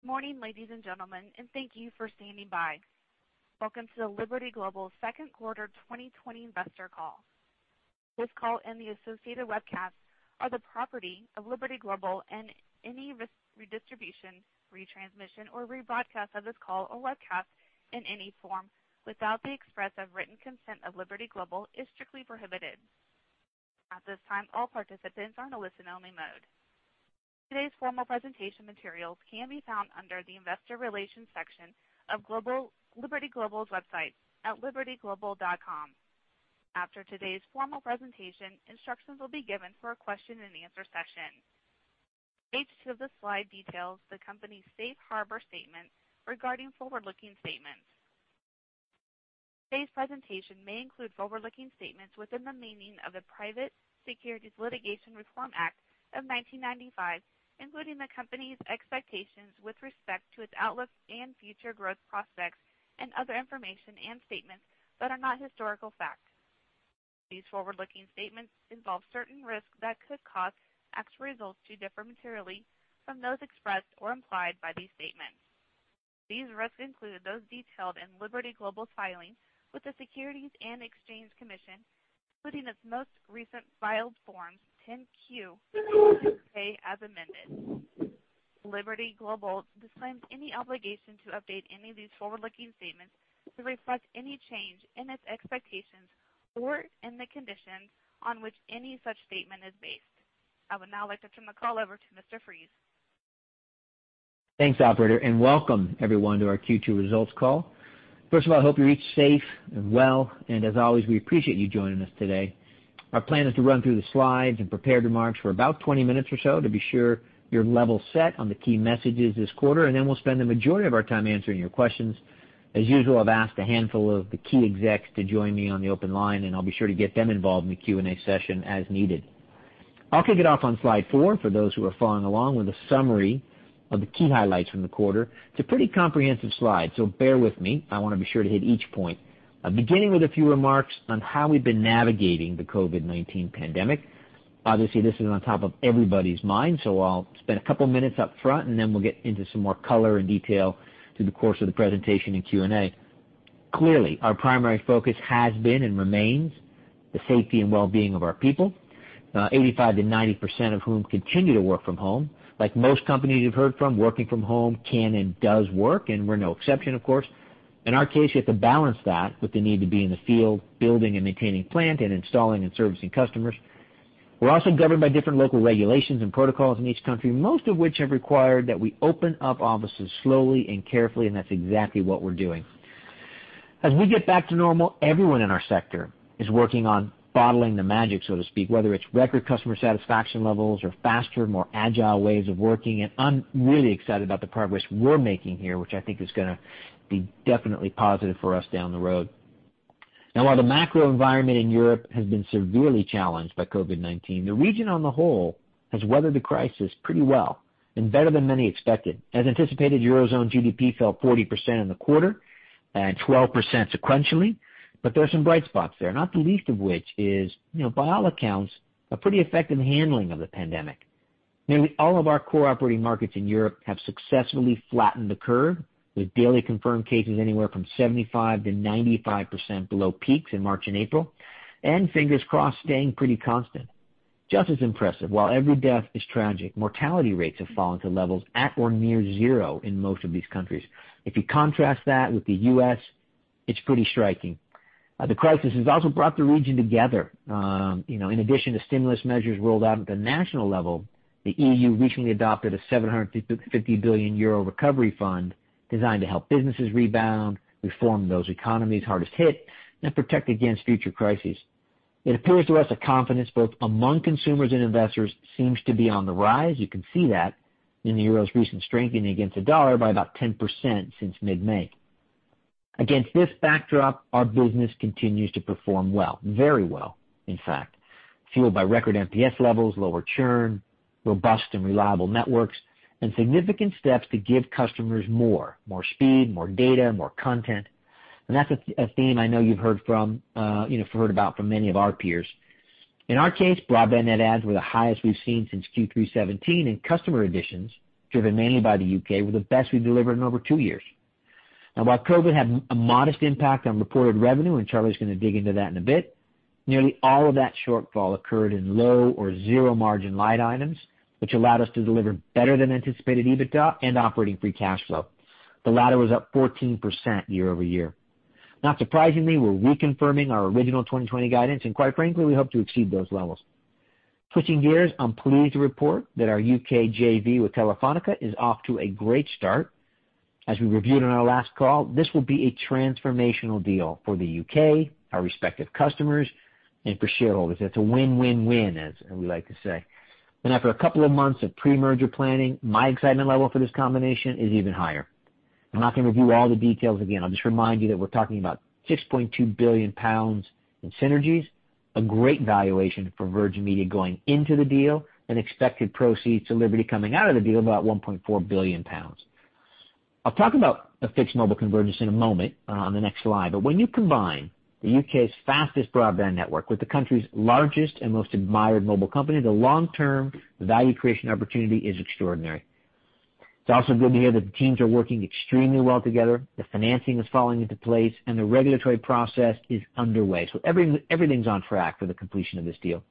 Good morning, ladies and gentlemen, and thank you for standing by. Welcome to the Liberty Global second quarter 2020 investor call. This call and the associated webcast are the property of Liberty Global, and any redistribution, retransmission, or rebroadcast of this call or webcast in any form without the express written consent of Liberty Global is strictly prohibited. At this time, all participants are in a listen-only mode. Today's formal presentation materials can be found under the investor relations section of Liberty Global's website at libertyglobal.com. After today's formal presentation, instructions will be given for a question-and-answer session. Page two of the slide details the company's safe harbor statement regarding forward-looking statements. Today's presentation may include forward-looking statements within the meaning of the Private Securities Litigation Reform Act of 1995, including the company's expectations with respect to its outlook and future growth prospects, and other information and statements that are not historical facts. These forward-looking statements involve certain risks that could cause actual results to differ materially from those expressed or implied by these statements. These risks include those detailed in Liberty Global's filing with the Securities and Exchange Commission, including its most recent filed Forms 10-Q and 8-K as amended. Liberty Global disclaims any obligation to update any of these forward-looking statements to reflect any change in its expectations or in the conditions on which any such statement is based. I would now like to turn the call over to Mr. Fries. Thanks, operator, and welcome everyone to our Q2 results call. First of all, I hope you're safe and well, and as always, we appreciate you joining us today. Our plan is to run through the slides and prepare remarks for about 20 minutes or so to be sure you're level set on the key messages this quarter, and then we'll spend the majority of our time answering your questions. As usual, I've asked a handful of the key execs to join me on the open line, and I'll be sure to get them involved in the Q&A session as needed. I'll kick it off on slide four for those who are following along with a summary of the key highlights from the quarter. It's a pretty comprehensive slide, so bear with me. I want to be sure to hit each point, beginning with a few remarks on how we've been navigating the COVID-19 pandemic. Obviously, this is on top of everybody's mind, so I'll spend a couple of minutes upfront, and then we'll get into some more color and detail through the course of the presentation and Q&A. Clearly, our primary focus has been and remains the safety and well-being of our people, 85%-90% of whom continue to work from home. Like most companies you've heard from, working from home can and does work, and we're no exception, of course. In our case, you have to balance that with the need to be in the field, building and maintaining plants, and installing and servicing customers. We're also governed by different local regulations and protocols in each country, most of which have required that we open up offices slowly and carefully, and that's exactly what we're doing. As we get back to normal, everyone in our sector is working on bottling the magic, so to speak, whether it's record customer satisfaction levels or faster, more agile ways of working, and I'm really excited about the progress we're making here, which I think is going to be definitely positive for us down the road. Now, while the macro environment in Europe has been severely challenged by COVID-19, the region on the whole has weathered the crisis pretty well and better than many expected. As anticipated, Eurozone GDP fell 40% in the quarter and 12% sequentially, but there are some bright spots there, not the least of which is, by all accounts, a pretty effective handling of the pandemic. Nearly all of our core operating markets in Europe have successfully flattened the curve, with daily confirmed cases anywhere from 75%-95% below peaks in March and April, and fingers crossed staying pretty constant. Just as impressive, while every death is tragic, mortality rates have fallen to levels at or near zero in most of these countries. If you contrast that with the U.S., it's pretty striking. The crisis has also brought the region together. In addition to stimulus measures rolled out at the national level, the EU recently adopted a 750 billion euro recovery fund designed to help businesses rebound, reform those economies hardest hit, and protect against future crises. It appears to us that confidence both among consumers and investors seems to be on the rise. You can see that in the euro's recent strengthening against the dollar by about 10% since mid-May. Against this backdrop, our business continues to perform well, very well, in fact, fueled by record NPS levels, lower churn, robust and reliable networks, and significant steps to give customers more, more speed, more data, more content. And that's a theme I know you've heard from, you know, heard about from many of our peers. In our case, broadband net adds were the highest we've seen since Q3 2017, and customer additions, driven mainly by the UK, were the best we've delivered in over two years. Now, while COVID had a modest impact on reported revenue, and Charlie's going to dig into that in a bit, nearly all of that shortfall occurred in low or zero-margin line items, which allowed us to deliver better than anticipated EBITDA and operating free cash flow. The latter was up 14% year over year. Not surprisingly, we're reconfirming our original 2020 guidance, and quite frankly, we hope to exceed those levels. Switching gears, I'm pleased to report that our U.K. JV with Telefónica is off to a great start. As we reviewed on our last call, this will be a transformational deal for the U.K., our respective customers, and for shareholders. It's a win-win-win, as we like to say. And after a couple of months of pre-merger planning, my excitement level for this combination is even higher. I'm not going to review all the details again. I'll just remind you that we're talking about 6.2 billion pounds in synergies, a great valuation for Virgin Media going into the deal, and expected proceeds to Liberty coming out of the deal of about 1.4 billion pounds. I'll talk about the fixed mobile convergence in a moment on the next slide, but when you combine the U.K.'s fastest broadband network with the country's largest and most admired mobile company, the long-term value creation opportunity is extraordinary. It's also good to hear that the teams are working extremely well together, the financing is falling into place, and the regulatory process is underway, so everything's on track for the completion of this deal.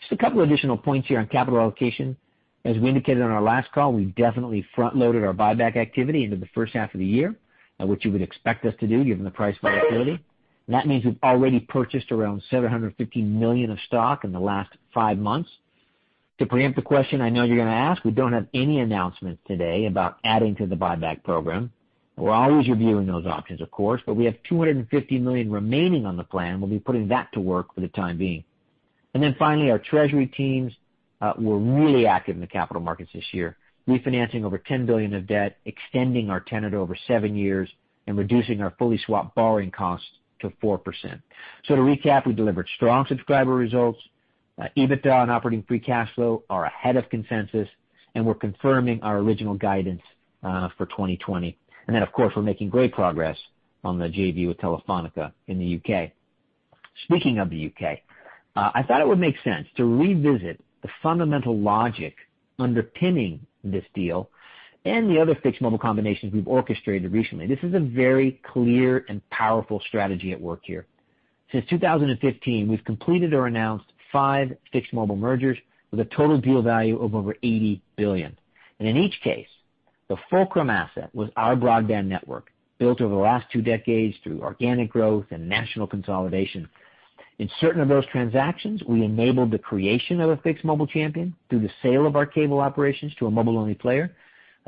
Just a couple of additional points here on capital allocation. As we indicated on our last call, we definitely front-loaded our buyback activity into the first half of the year, which you would expect us to do given the price volatility. That means we've already purchased around 750 million of stock in the last five months. To preempt the question I know you're going to ask, we don't have any announcements today about adding to the buyback program. We're always reviewing those options, of course, but we have 250 million remaining on the plan, and we'll be putting that to work for the time being, and then finally, our treasury teams were really active in the capital markets this year, refinancing over 10 billion of debt, extending our tenor to over seven years, and reducing our fully swapped borrowing cost to 4%. So to recap, we delivered strong subscriber results. EBITDA and operating free cash flow are ahead of consensus, and we're confirming our original guidance for 2020. And then, of course, we're making great progress on the JV with Telefónica in the U.K. Speaking of the U.K., I thought it would make sense to revisit the fundamental logic underpinning this deal and the other fixed mobile combinations we've orchestrated recently. This is a very clear and powerful strategy at work here. Since 2015, we've completed or announced five fixed mobile mergers with a total deal value of over $80 billion. And in each case, the fulcrum asset was our broadband network built over the last two decades through organic growth and national consolidation. In certain of those transactions, we enabled the creation of a fixed mobile champion through the sale of our cable operations to a mobile-only player.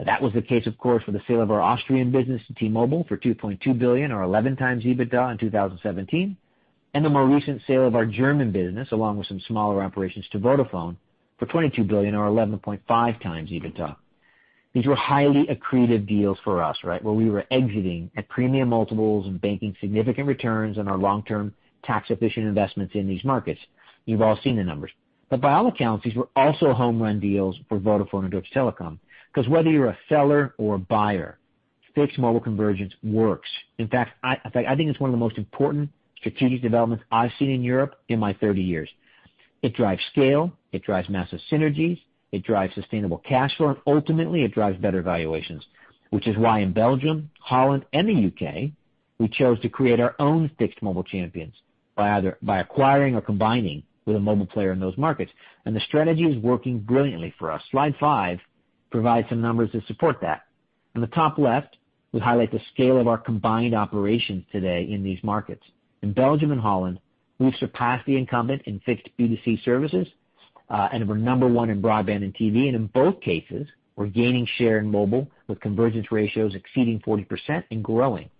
That was the case, of course, with the sale of our Austrian business to T-Mobile for 2.2 billion, or 11 times EBITDA in 2017, and the more recent sale of our German business, along with some smaller operations to Vodafone, for 22 billion, or 11.5x EBITDA. These were highly accretive deals for us, right, where we were exiting at premium multiples and banking significant returns on our long-term tax-efficient investments in these markets. You've all seen the numbers. But by all accounts, these were also home-run deals for Vodafone and Deutsche Telekom, because whether you're a seller or a buyer, fixed mobile convergence works. In fact, I think it's one of the most important strategic developments I've seen in Europe in my 30 years. It drives scale, it drives massive synergies, it drives sustainable cash flow, and ultimately, it drives better valuations, which is why in Belgium, Holland, and the U.K., we chose to create our own fixed mobile champions by either acquiring or combining with a mobile player in those markets. And the strategy is working brilliantly for us. Slide five provides some numbers to support that. On the top left, we highlight the scale of our combined operations today in these markets. In Belgium and Holland, we've surpassed the incumbent in fixed B2C services, and we're number one in broadband and TV. And in both cases, we're gaining share in mobile with convergence ratios exceeding 40% and growing.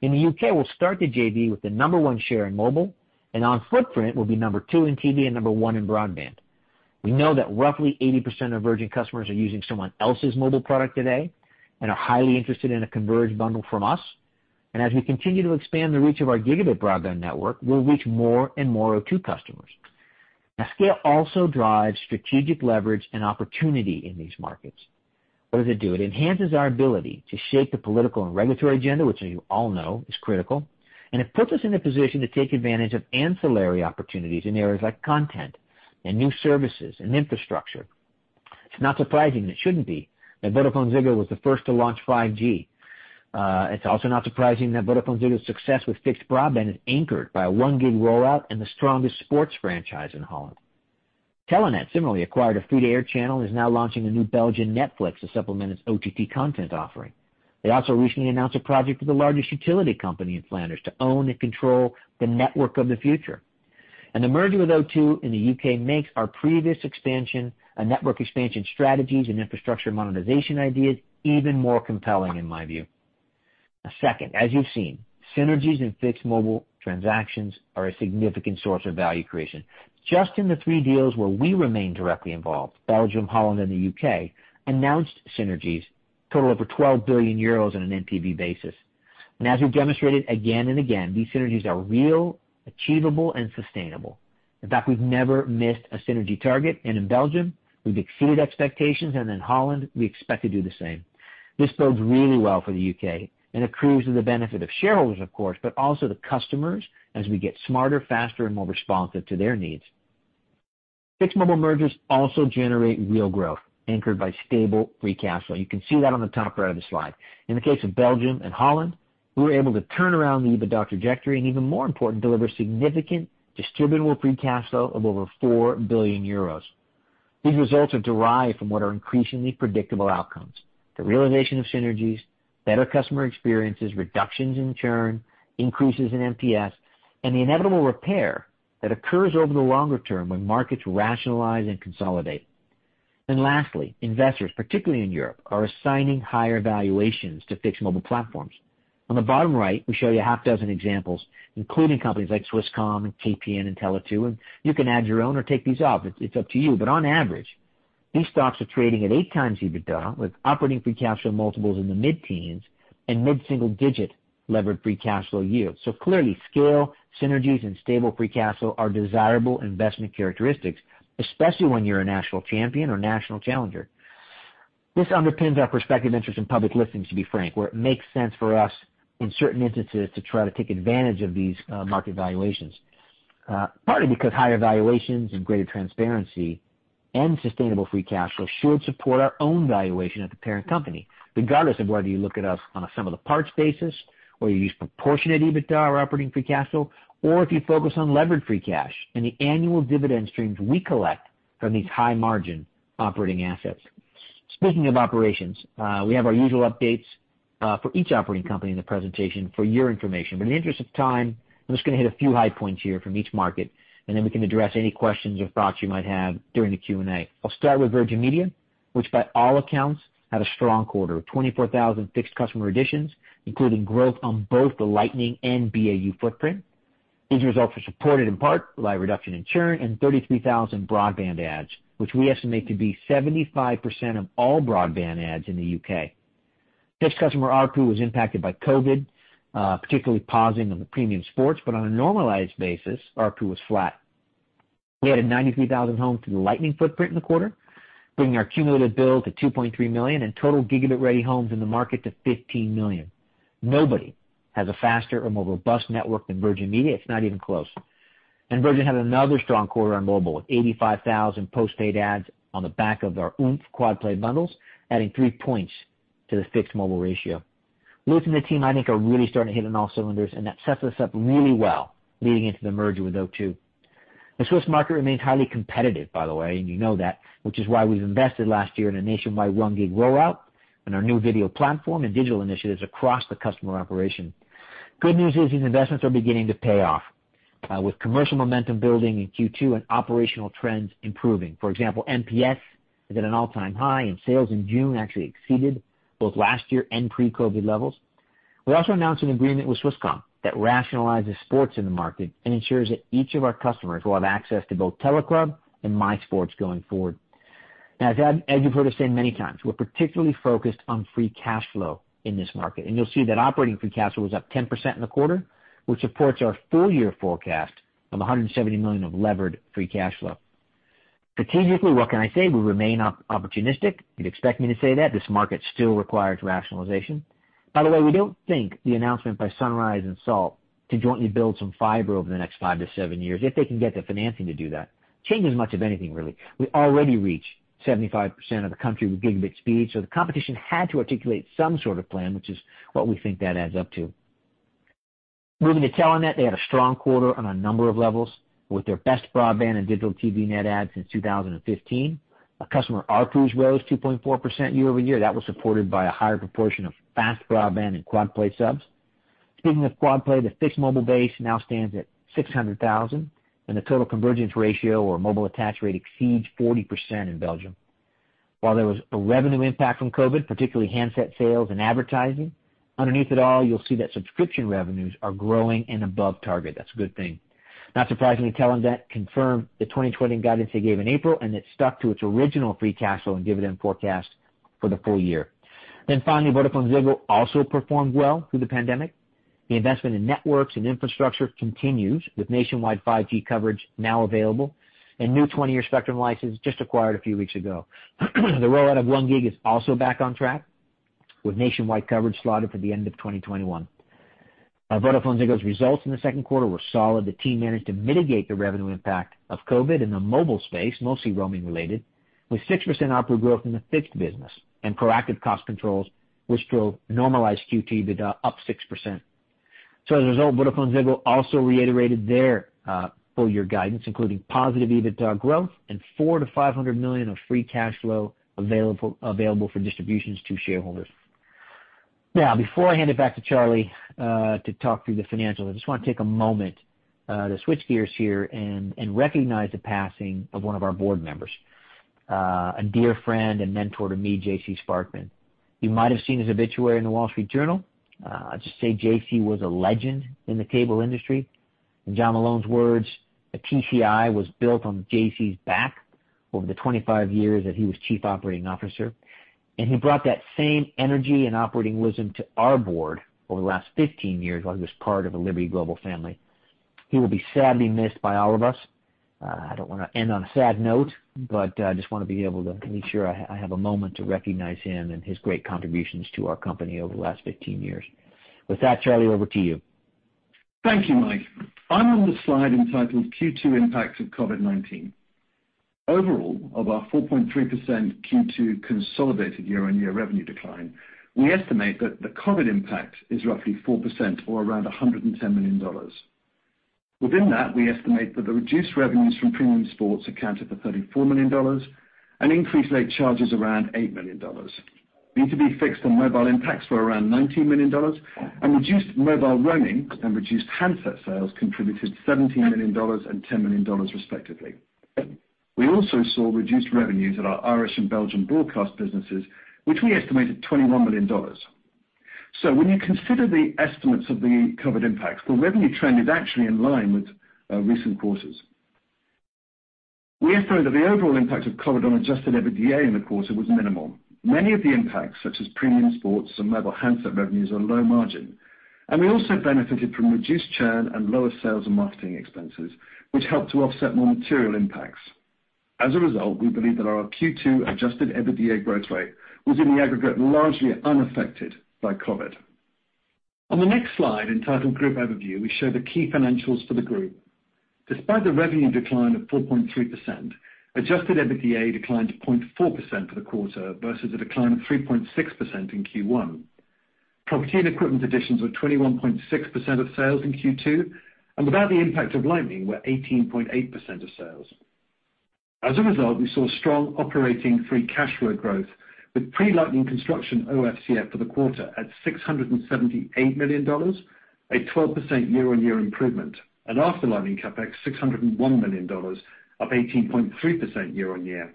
In the UK, we'll start the JV with the number one share in mobile, and on footprint, we'll be number two in TV and number one in broadband. We know that roughly 80% of Virgin customers are using someone else's mobile product today and are highly interested in a converged bundle from us, and as we continue to expand the reach of our gigabit broadband network, we'll reach more and more O2 customers. Now, scale also drives strategic leverage and opportunity in these markets. What does it do? It enhances our ability to shape the political and regulatory agenda, which you all know is critical, and it puts us in a position to take advantage of ancillary opportunities in areas like content and new services and infrastructure. It's not surprising, and it shouldn't be, that VodafoneZiggo was the first to launch 5G. It's also not surprising that VodafoneZiggo's success with fixed broadband is anchored by a 1 gig rollout in the strongest sports franchise in Holland. Telenet similarly acquired a free-to-air channel and is now launching a new Belgian Netflix to supplement its OTT content offering. They also recently announced a project with the largest utility company in Flanders to own and control the network of the future. And the merger with O2 in the U.K. makes our previous expansion and network expansion strategies and infrastructure modernization ideas even more compelling, in my view. Now, second, as you've seen, synergies in fixed mobile transactions are a significant source of value creation. Just in the three deals where we remain directly involved, Belgium, Holland, and the U.K. announced synergies totaled over 12 billion euros on an NPV basis, and as we've demonstrated again and again, these synergies are real, achievable, and sustainable. In fact, we've never missed a synergy target, and in Belgium, we've exceeded expectations, and in Holland, we expect to do the same. This bodes really well for the UK and accrues to the benefit of shareholders, of course, but also the customers as we get smarter, faster, and more responsive to their needs. Fixed mobile mergers also generate real growth anchored by stable free cash flow. You can see that on the top right of the slide. In the case of Belgium and Holland, we were able to turn around the EBITDA trajectory and, even more important, deliver significant distributable free cash flow of over 4 billion euros. These results are derived from what are increasingly predictable outcomes: the realization of synergies, better customer experiences, reductions in churn, increases in NPS, and the inevitable repair that occurs over the longer term when markets rationalize and consolidate. And lastly, investors, particularly in Europe, are assigning higher valuations to fixed mobile platforms. On the bottom right, we show you a half dozen examples, including companies like Swisscom, KPN, and Tele2, and you can add your own or take these off. It's up to you. But on average, these stocks are trading at 8x EBITDA with operating free cash flow multiples in the mid-teens and mid-single-digit levered free cash flow yield. So clearly, scale, synergies, and stable free cash flow are desirable investment characteristics, especially when you're a national champion or national challenger. This underpins our prospective interest in public listings, to be frank, where it makes sense for us in certain instances to try to take advantage of these market valuations. Partly because higher valuations and greater transparency and sustainable free cash flow should support our own valuation at the parent company, regardless of whether you look at us on a sum of the parts basis, or you use proportionate EBITDA or operating free cash flow, or if you focus on levered free cash and the annual dividend streams we collect from these high-margin operating assets. Speaking of operations, we have our usual updates for each operating company in the presentation for your information. But in the interest of time, I'm just going to hit a few high points here from each market, and then we can address any questions or thoughts you might have during the Q&A. I'll start with Virgin Media, which by all accounts had a strong quarter with 24,000 fixed customer additions, including growth on both the Lightning and BAU footprint. These results were supported in part by reduction in churn and 33,000 broadband adds, which we estimate to be 75% of all broadband adds in the U.K. Fixed customer ARPU was impacted by COVID, particularly pausing on the premium sports, but on a normalized basis, ARPU was flat. We added 93,000 homes to the Lightning footprint in the quarter, bringing our cumulative build to 2.3 million and total gigabit-ready homes in the market to 15 million. Nobody has a faster or more robust network than Virgin Media. It's not even close. Virgin had another strong quarter on mobile with 85,000 post-paid adds on the back of our Oomph quad play bundles, adding 3 points to the fixed mobile ratio. Lutz and the team, I think, are really starting to hit on all cylinders, and that sets us up really well leading into the merger with O2. The Swiss market remains highly competitive, by the way, and you know that, which is why we've invested last year in a nationwide 1 gig rollout and our new video platform and digital initiatives across the customer operation. Good news is these investments are beginning to pay off with commercial momentum building in Q2 and operational trends improving. For example, NPS is at an all-time high, and sales in June actually exceeded both last year and pre-COVID levels. We also announced an agreement with Swisscom that rationalizes sports in the market and ensures that each of our customers will have access to both Teleclub and MySports going forward. Now, as you've heard us say many times, we're particularly focused on free cash flow in this market, and you'll see that operating free cash flow was up 10% in the quarter, which supports our full-year forecast of $170 million of levered free cash flow. Strategically, what can I say? We remain opportunistic. You'd expect me to say that. This market still requires rationalization. By the way, we don't think the announcement by Sunrise and Salt to jointly build some fiber over the next five to seven years, if they can get the financing to do that, changes much of anything, really. We already reach 75% of the country with gigabit speed, so the competition had to articulate some sort of plan, which is what we think that adds up to. Moving to Telenet, they had a strong quarter on a number of levels with their best broadband and digital TV net adds since 2015. Customer ARPUs rose 2.4% year over year. That was supported by a higher proportion of fast broadband and quad play subs. Speaking of quad play, the fixed mobile base now stands at 600,000, and the total convergence ratio, or mobile attach rate, exceeds 40% in Belgium. While there was a revenue impact from COVID, particularly handset sales and advertising, underneath it all, you'll see that subscription revenues are growing and above target. That's a good thing. Not surprisingly, Telenet confirmed the 2020 guidance they gave in April, and it stuck to its original free cash flow and dividend forecast for the full year. Then finally, VodafoneZiggo also performed well through the pandemic. The investment in networks and infrastructure continues, with nationwide 5G coverage now available and new 20-year spectrum licenses just acquired a few weeks ago. The rollout of 1 gig is also back on track, with nationwide coverage slotted for the end of 2021. VodafoneZiggo's results in the second quarter were solid. The team managed to mitigate the revenue impact of COVID in the mobile space, mostly roaming related, with 6% ARPU growth in the fixed business and proactive cost controls, which drove normalized Q2 EBITDA up 6%. So as a result, VodafoneZiggo also reiterated their full-year guidance, including positive EBITDA growth and 400 million-500 million of free cash flow available for distributions to shareholders. Now, before I hand it back to Charlie to talk through the financials, I just want to take a moment to switch gears here and recognize the passing of one of our board members, a dear friend and mentor to me, J.C. Sparkman. You might have seen his obituary in The Wall Street Journal. I'll just say J.C. was a legend in the cable industry. In John Malone's words, the TCI was built on J.C.'s back over the 25 years that he was chief operating officer. And he brought that same energy and operating wisdom to our board over the last 15 years while he was part of the Liberty Global family. He will be sadly missed by all of us. I don't want to end on a sad note, but I just want to be able to make sure I have a moment to recognize him and his great contributions to our company over the last 15 years. With that, Charlie, over to you. Thank you, Mike. I'm on the slide entitled Q2 Impact of COVID-19. Overall, of our 4.3% Q2 consolidated year-on-year revenue decline, we estimate that the COVID impact is roughly 4% or around $110 million. Within that, we estimate that the reduced revenues from premium sports accounted for $34 million and increased late charges around $8 million. B2B fixed and mobile impacts were around $19 million, and reduced mobile roaming and reduced handset sales contributed $17 million and $10 million, respectively. We also saw reduced revenues at our Irish and Belgian broadcast businesses, which we estimated $21 million. When you consider the estimates of the COVID impacts, the revenue trend is actually in line with recent quarters. We estimate that the overall impact of COVID on adjusted EBITDA in the quarter was minimal. Many of the impacts, such as premium sports and mobile handset revenues, are low margin. And we also benefited from reduced churn and lower sales and marketing expenses, which helped to offset more material impacts. As a result, we believe that our Q2 adjusted EBITDA growth rate was in the aggregate, largely unaffected by COVID. On the next slide entitled Group Overview, we show the key financials for the group. Despite the revenue decline of 4.3%, adjusted EBITDA declined 0.4% for the quarter versus a decline of 3.6% in Q1. Property and equipment additions were 21.6% of sales in Q2, and without the impact of Lightning, we're 18.8% of sales. As a result, we saw strong operating free cash flow growth with pre-Lightning construction OFCF for the quarter at $678 million, a 12% year-on-year improvement, and after Lightning CapEx, $601 million up 18.3% year-on-year.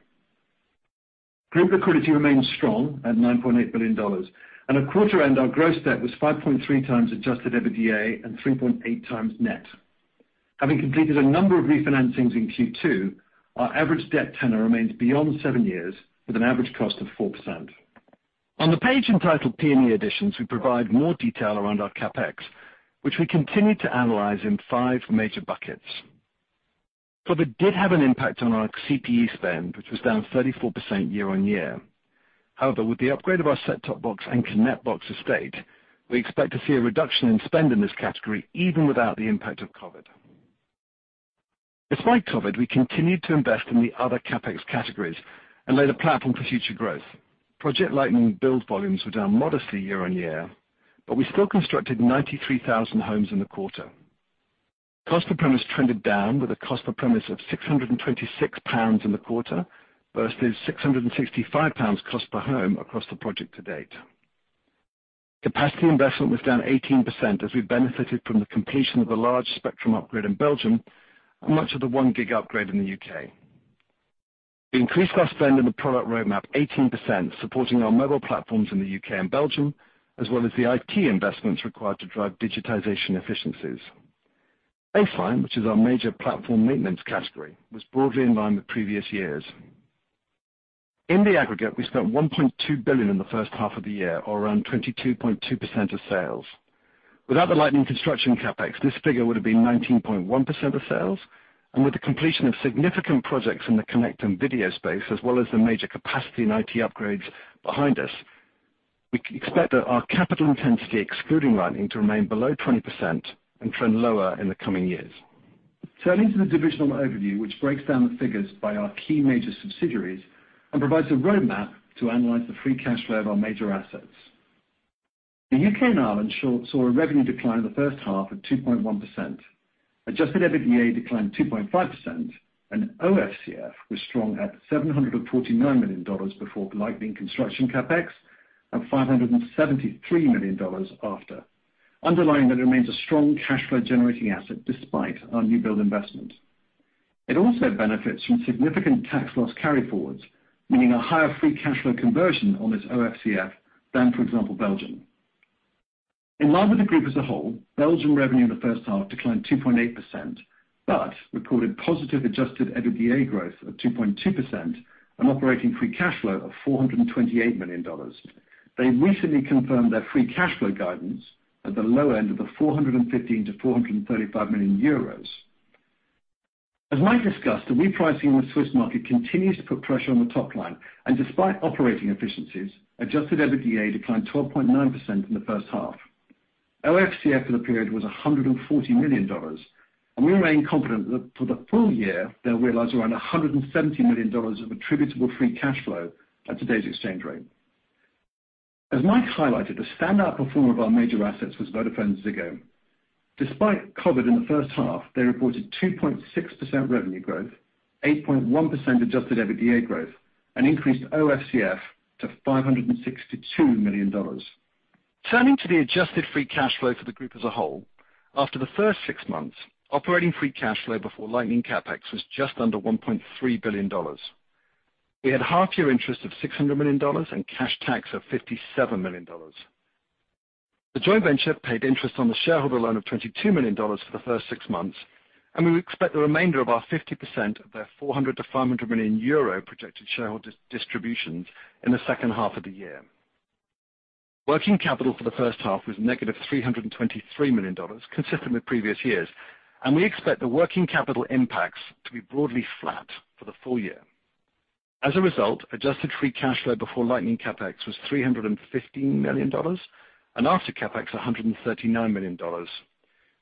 Group liquidity remained strong at $9.8 billion, and at quarter end, our gross debt was 5.3x adjusted EBITDA and 3.8x net. Having completed a number of refinancings in Q2, our average debt tenor remains beyond seven years with an average cost of 4%. On the page entitled P&E Additions, we provide more detail around our CapEx, which we continue to analyze in five major buckets. COVID did have an impact on our CPE spend, which was down 34% year-on-year. However, with the upgrade of our set-top box and Connect Box estate, we expect to see a reduction in spend in this category even without the impact of COVID. Despite COVID, we continued to invest in the other CapEx categories and laid a platform for future growth. Project Lightning build volumes were down modestly year-on-year, but we still constructed 93,000 homes in the quarter. Cost per premise trended down with a cost per premise of £626 in the quarter versus £665 cost per home across the project to date. Capacity investment was down 18% as we benefited from the completion of the large spectrum upgrade in Belgium and much of the 1 gig upgrade in the U.K. We increased our spend in the product roadmap 18%, supporting our mobile platforms in the U.K. and Belgium, as well as the IT investments required to drive digitization efficiencies. Baseline, which is our major platform maintenance category, was broadly in line with previous years. In the aggregate, we spent $1.2 billion in the first half of the year, or around 22.2% of sales. Without the Lightning construction CapEx, this figure would have been 19.1% of sales. With the completion of significant projects in the connect and video space, as well as the major capacity and IT upgrades behind us, we expect that our capital intensity excluding Lightning to remain below 20% and trend lower in the coming years. Turning to the divisional overview, which breaks down the figures by our key major subsidiaries and provides a roadmap to analyze the free cash flow of our major assets. The U.K. and Ireland saw a revenue decline in the first half of 2.1%. Adjusted EBITDA declined 2.5%, and OFCF was strong at $749 million before Lightning construction CapEx and $573 million after. Underlining that it remains a strong cash flow generating asset despite our new build investment. It also benefits from significant tax loss carry forwards, meaning a higher free cash flow conversion on this OFCF than, for example, Belgium. In line with the group as a whole, Belgian revenue in the first half declined 2.8% but recorded positive adjusted EBITDA growth of 2.2% and operating free cash flow of $428 million. They recently confirmed their free cash flow guidance at the low end of 415 million-435 million euros. As Mike discussed, the repricing in the Swiss market continues to put pressure on the top line, and despite operating efficiencies, adjusted EBITDA declined 12.9% in the first half. OFCF for the period was $140 million, and we remain confident that for the full year they'll realize around $170 million of attributable free cash flow at today's exchange rate. As Mike highlighted, the standout performer of our major assets was VodafoneZiggo. Despite COVID in the first half, they reported 2.6% revenue growth, 8.1% adjusted EBITDA growth, and increased OFCF to $562 million. Turning to the adjusted free cash flow for the group as a whole, after the first six months, operating free cash flow before Lightning CapEx was just under $1.3 billion. We had half-year interest of $600 million and cash tax of $57 million. The joint venture paid interest on the shareholder loan of $22 million for the first six months, and we would expect the remainder of our 50 percent of their 400 million-500 million euro projected shareholder distributions in the second half of the year. Working capital for the first half was -$323 million, consistent with previous years, and we expect the working capital impacts to be broadly flat for the full year. As a result, adjusted free cash flow before Lightning CapEx was $315 million and after CapEx $139 million.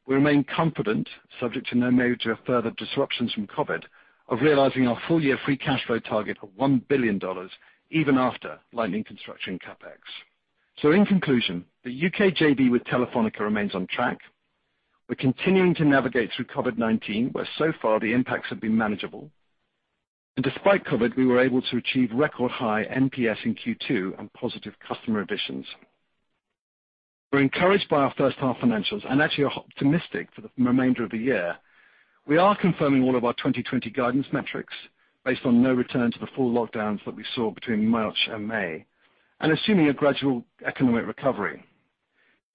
We remain confident, subject to no major further disruptions from COVID, of realizing our full-year free cash flow target of $1 billion even after Lightning construction CapEx. So in conclusion, the U.K. JV with Telefónica remains on track. We're continuing to navigate through COVID-19, where so far the impacts have been manageable. Despite COVID, we were able to achieve record high NPS in Q2 and positive customer additions. We're encouraged by our first half financials and actually optimistic for the remainder of the year. We are confirming all of our 2020 guidance metrics based on no return to the full lockdowns that we saw between March and May and assuming a gradual economic recovery.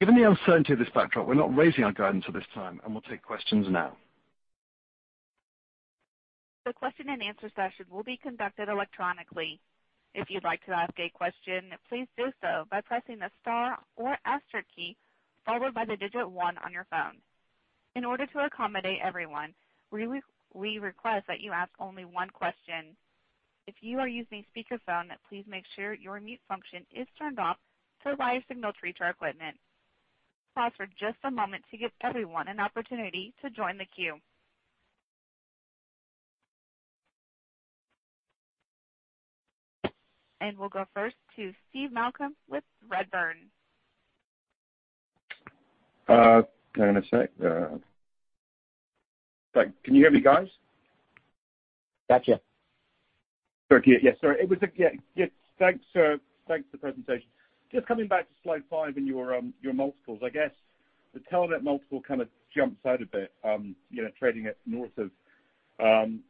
Given the uncertainty of this backdrop, we're not raising our guidance at this time, and we'll take questions now. The question and answer session will be conducted electronically. If you'd like to ask a question, please do so by pressing the star or asterisk key followed by the digit one on your phone. In order to accommodate everyone, we request that you ask only one question. If you are using speakerphone, please make sure your mute function is turned off to allow your signal to reach our equipment. We'll pause for just a moment to give everyone an opportunity to join the queue. We'll go first to Steve Malcolm with Redburn. Thanks for the presentation. Just coming back to slide five and your multiples, I guess the Telenet multiple kind of jumps out a bit, you know, trading at north of 10%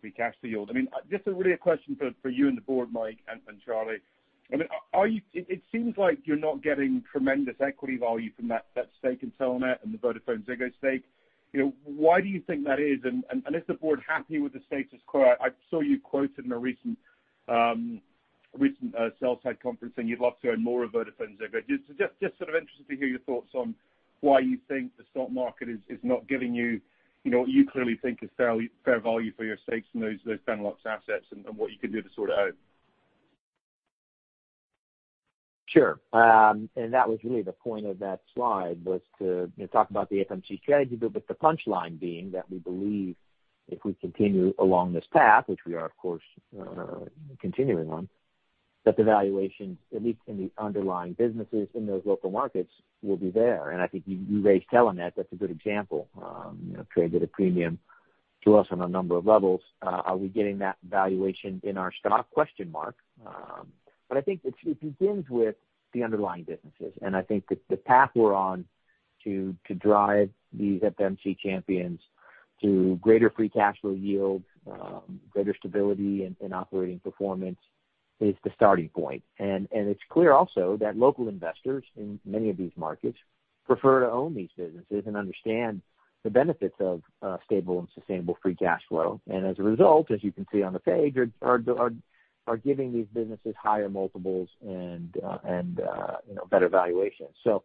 free cash flow yield. I mean, just really a question for you and the board, Mike and Charlie. I mean, are you? It seems like you're not getting tremendous equity value from that stake in Telenet and the VodafoneZiggo stake. You know, why do you think that is? And is the board happy with the status quo? I saw you quoted in a recent sell-side conference saying you'd love to own more of VodafoneZiggo. Just sort of interested to hear your thoughts on why you think the stock market is not giving you, you know, what you clearly think is fair value for your stakes in those joint assets and what you can do to sort it out. Sure. And that was really the point of that slide was to, you know, talk about the FMC strategy, but with the punchline being that we believe if we continue along this path, which we are, of course, continuing on, that the valuations, at least in the underlying businesses in those local markets, will be there. And I think you raised Telenet. That's a good example. You know, traded at a premium to us on a number of levels. Are we getting that valuation in our stock? But I think it begins with the underlying businesses. And I think that the path we're on to drive these FMC champions to greater free cash flow yield, greater stability in operating performance is the starting point. And it's clear also that local investors in many of these markets prefer to own these businesses and understand the benefits of stable and sustainable free cash flow. And as a result, as you can see on the page, are giving these businesses higher multiples and you know, better valuations. So,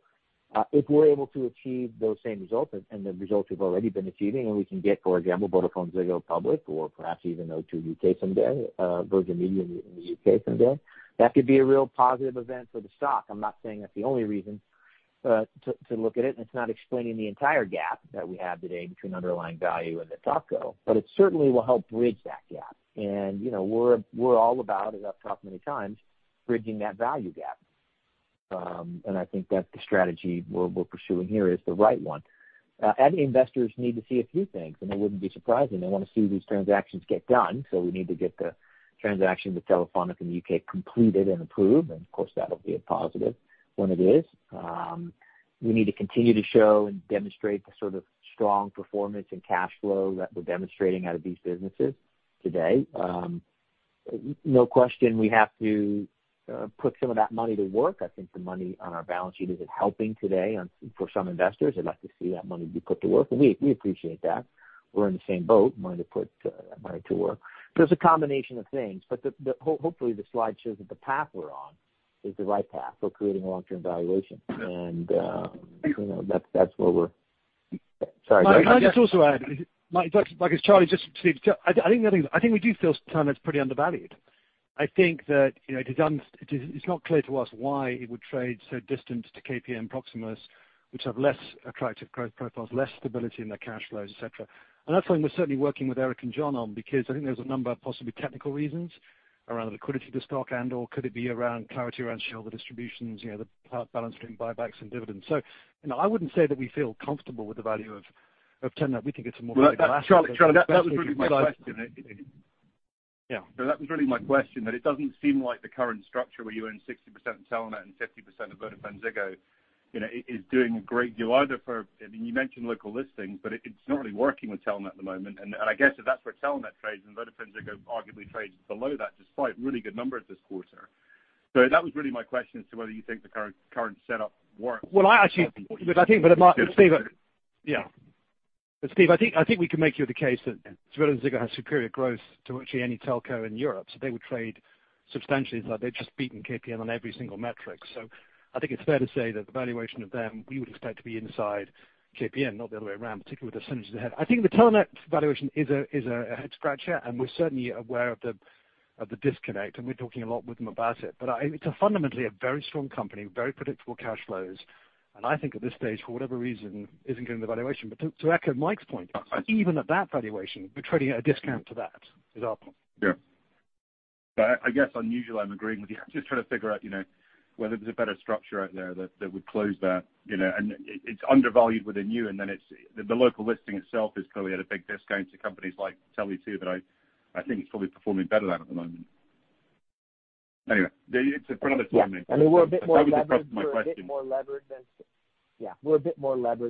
if we're able to achieve those same results and the results we've already been achieving and we can get, for example, VodafoneZiggo public or perhaps even O2 UK someday, Virgin Media in the U.K. someday, that could be a real positive event for the stock. I'm not saying that's the only reason, to, to look at it. And it's not explaining the entire gap that we have today between underlying value and the stock low, but it certainly will help bridge that gap. And, you know, we're, we're all about, as I've talked many times, bridging that value gap. And I think that the strategy we're pursuing here is the right one. And investors need to see a few things, and it wouldn't be surprising. They want to see these transactions get done. So we need to get the transaction with Telefónica in the U.K. completed and approved, and of course, that'll be a positive when it is. We need to continue to show and demonstrate the sort of strong performance and cash flow that we're demonstrating out of these businesses today. No question, we have to put some of that money to work. I think the money on our balance sheet isn't helping today on for some investors. They'd like to see that money be put to work, and we, we appreciate that. We're in the same boat, wanting to put money to work. So it's a combination of things. But hopefully the slide shows that the path we're on is the right path for creating long-term valuation. And, you know, that's, that's where we're sorry. No, no, that's also right. It's Charlie. Just said, I think we do feel Telenet's pretty undervalued. I think that, you know, it is, it's not clear to us why it would trade so distant to KPN, Proximus, which have less attractive growth profiles, less stability in their cash flows, et cetera. And that's something we're certainly working with Eric and John on because I think there's a number of possibly technical reasons around the liquidity of the stock and/or could it be around clarity around shareholder distributions, you know, the balance between buybacks and dividends. So, you know, I wouldn't say that we feel comfortable with the value of Telenet. We think it's a more reliable asset. Right, Charlie, that was really my question. Yeah. That was really my question, that it doesn't seem like the current structure where you earn 60% of Telenet and 50% of VodafoneZiggo, you know, is doing a great deal either for, I mean, you mentioned local listings, but it's not really working with Telenet at the moment. And I guess if that's where Telenet trades and VodafoneZiggo arguably trades below that despite really good numbers this quarter. That was really my question as to whether you think the current setup works. Well, actually, but I think it might, Steven. Yeah. But Steve, I think we can make the case that VodafoneZiggo has superior growth to virtually any telco in Europe. So they would trade substantially as though they've just beaten KPN on every single metric. So I think it's fair to say that the valuation of them, we would expect to be inside KPN, not the other way around, particularly with the synergies ahead. I think the Telenet valuation is a head-scratcher, and we're certainly aware of the disconnect, and we're talking a lot with them about it. But it's fundamentally a very strong company, very predictable cash flows. And I think at this stage, for whatever reason, isn't getting the valuation. But to echo Mike's point, even at that valuation, we're trading at a discount to that is our point. Yeah. But I guess unusual, I'm agreeing with you. I'm just trying to figure out, you know, whether there's a better structure out there that would close that, you know, and it's undervalued within you. And then it's the local listing itself is clearly at a big discount to companies like Telenet, but I, I think it's probably performing better than that at the moment. Anyway, it's a, for another time. Yeah. I mean, we're a bit more leveraged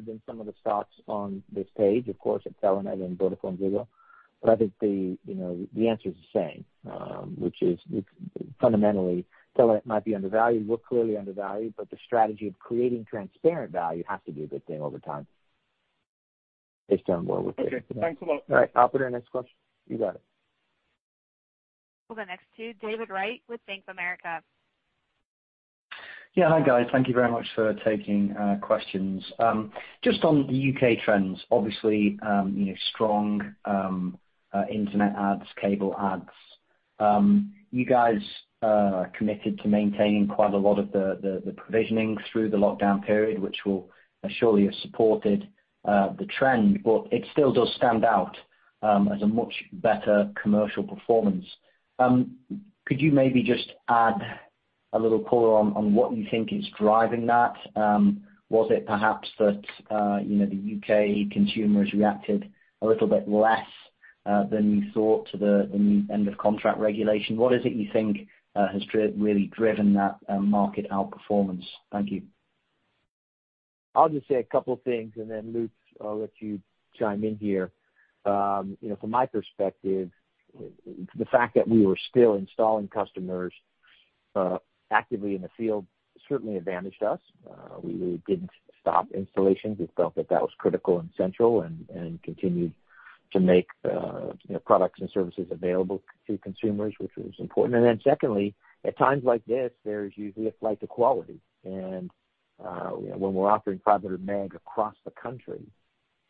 than some of the stocks on this page. Of course, at Telenet and VodafoneZiggo. But I think the, you know, the answer is the same, which is fundamentally Telenet might be undervalued. We're clearly undervalued, but the strategy of creating transparent value has to be a good thing over time based on where we're trading. Okay. Thanks a lot. All right. I'll put in the next question. You got it. We'll go next to David Wright with Bank of America. Yeah. Hi, guys. Thank you very much for taking questions. Just on the U.K. trends, obviously, you know, strong internet ads, cable ads. You guys committed to maintaining quite a lot of the provisioning through the lockdown period, which will surely have supported the trend, but it still does stand out as a much better commercial performance. Could you maybe just add a little color on what you think is driving that? Was it perhaps that, you know, the UK consumers reacted a little bit less than you thought to the new end of contract regulation? What is it you think has really driven that market outperformance? Thank you. I'll just say a couple of things, and then Lutz, I'll let you chime in here. You know, from my perspective, the fact that we were still installing customers actively in the field certainly advantaged us. We didn't stop installations. We felt that that was critical and central and continued to make, you know, products and services available to consumers, which was important, and then secondly, at times like this, there's usually a flight to quality, and, you know, when we're offering 500 meg across the country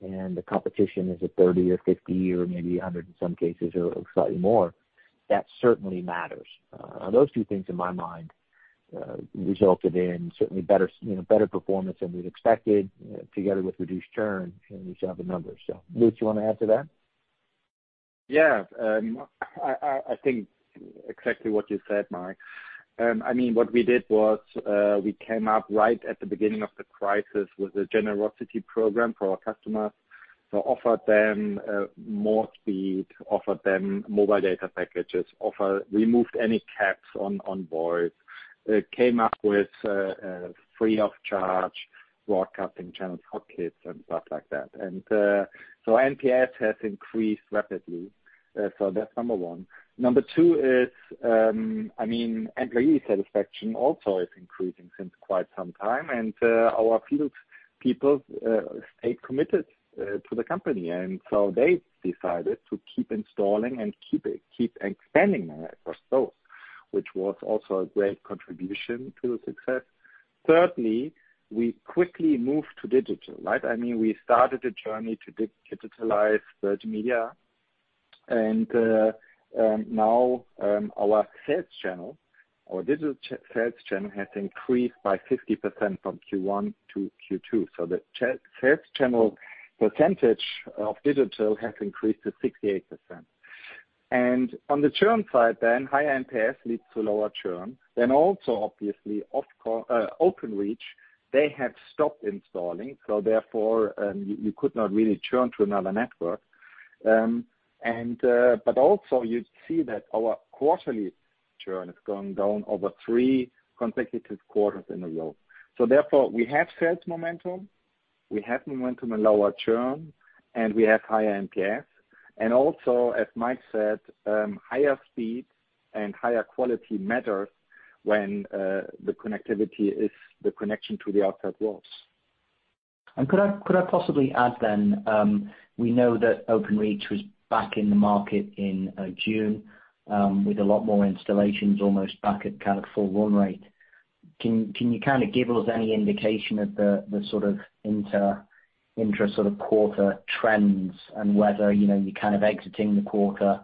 and the competition is a 30 or 50 or maybe 100 in some cases or slightly more, that certainly matters. Those two things, in my mind, resulted in certainly better, you know, better performance than we'd expected, together with reduced churn in each other numbers. So, Lutz, you want to add to that? Yeah, I think exactly what you said, Mike. I mean, what we did was, we came up right at the beginning of the crisis with a generosity program for our customers. So offered them more speed, offered them mobile data packages, offered, removed any caps on voice, came up with free of charge broadcasting channels, Hot Picks, and stuff like that. And so NPS has increased rapidly. So that's number one. Number two is, I mean, employee satisfaction also is increasing since quite some time. And our field people stayed committed to the company. And so they decided to keep installing and keep expanding across those, which was also a great contribution to the success. Thirdly, we quickly moved to digital, right? I mean, we started a journey to digitalize Virgin Media. And now our sales channel, our digital sales channel has increased by 50% from Q1 to Q2. So the sales channel percentage of digital has increased to 68%. And on the churn side then, higher NPS leads to lower churn. Then also, obviously, Openreach, they have stopped installing, so therefore, you, you could not really churn to another network, and, but also you'd see that our quarterly churn has gone down over three consecutive quarters in a row, so therefore, we have sales momentum, we have momentum and lower churn, and we have higher NPS. And also, as Mike said, higher speed and higher quality matters when the connectivity is the connection to the outside world. And could I, could I possibly add then, we know that Openreach was back in the market in June, with a lot more installations almost back at kind of full run rate. Can you kind of give us any indication of the sort of inter-quarter trends and whether, you know, you're kind of exiting the quarter,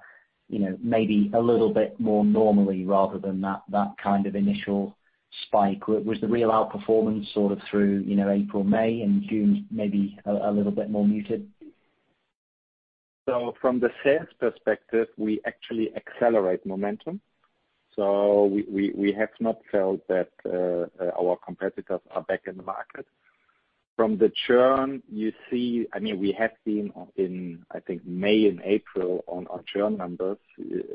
you know, maybe a little bit more normally rather than that kind of initial spike? Was the real outperformance sort of through, you know, April, May, and June maybe a little bit more muted? So from the sales perspective, we actually accelerate momentum. So we have not felt that our competitors are back in the market. From the churn, you see, I mean, we have been in, I think, May and April on our churn numbers,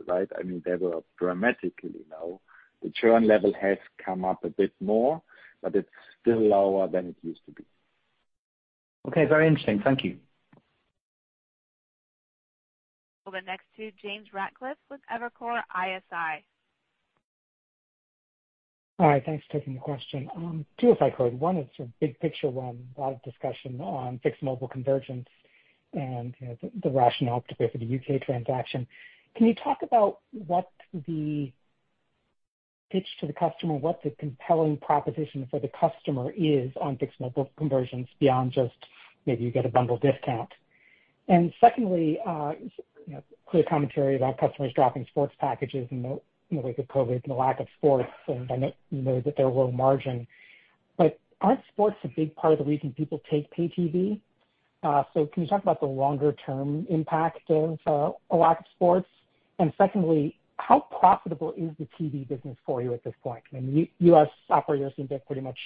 right? I mean, they were dramatically low. The churn level has come up a bit more, but it's still lower than it used to be. Okay. Very interesting. Thank you. We'll go next to James Ratcliffe with Evercore ISI. Hi. Thanks for taking the question. Two, if I could. One is a big picture one, a lot of discussion on fixed mobile convergence and, you know, the, the rationale to go for the U.K. transaction. Can you talk about what the pitch to the customer, what the compelling proposition for the customer is on fixed mobile convergence beyond just maybe you get a bundle discount? And secondly, you know, clear commentary about customers dropping sports packages in the, in the wake of COVID and the lack of sports. And I know, you know that they're low margin, but aren't sports a big part of the reason people take pay TV? So can you talk about the longer-term impact of, a lack of sports? And secondly, how profitable is the TV business for you at this point? I mean, U.S. operators seem to have pretty much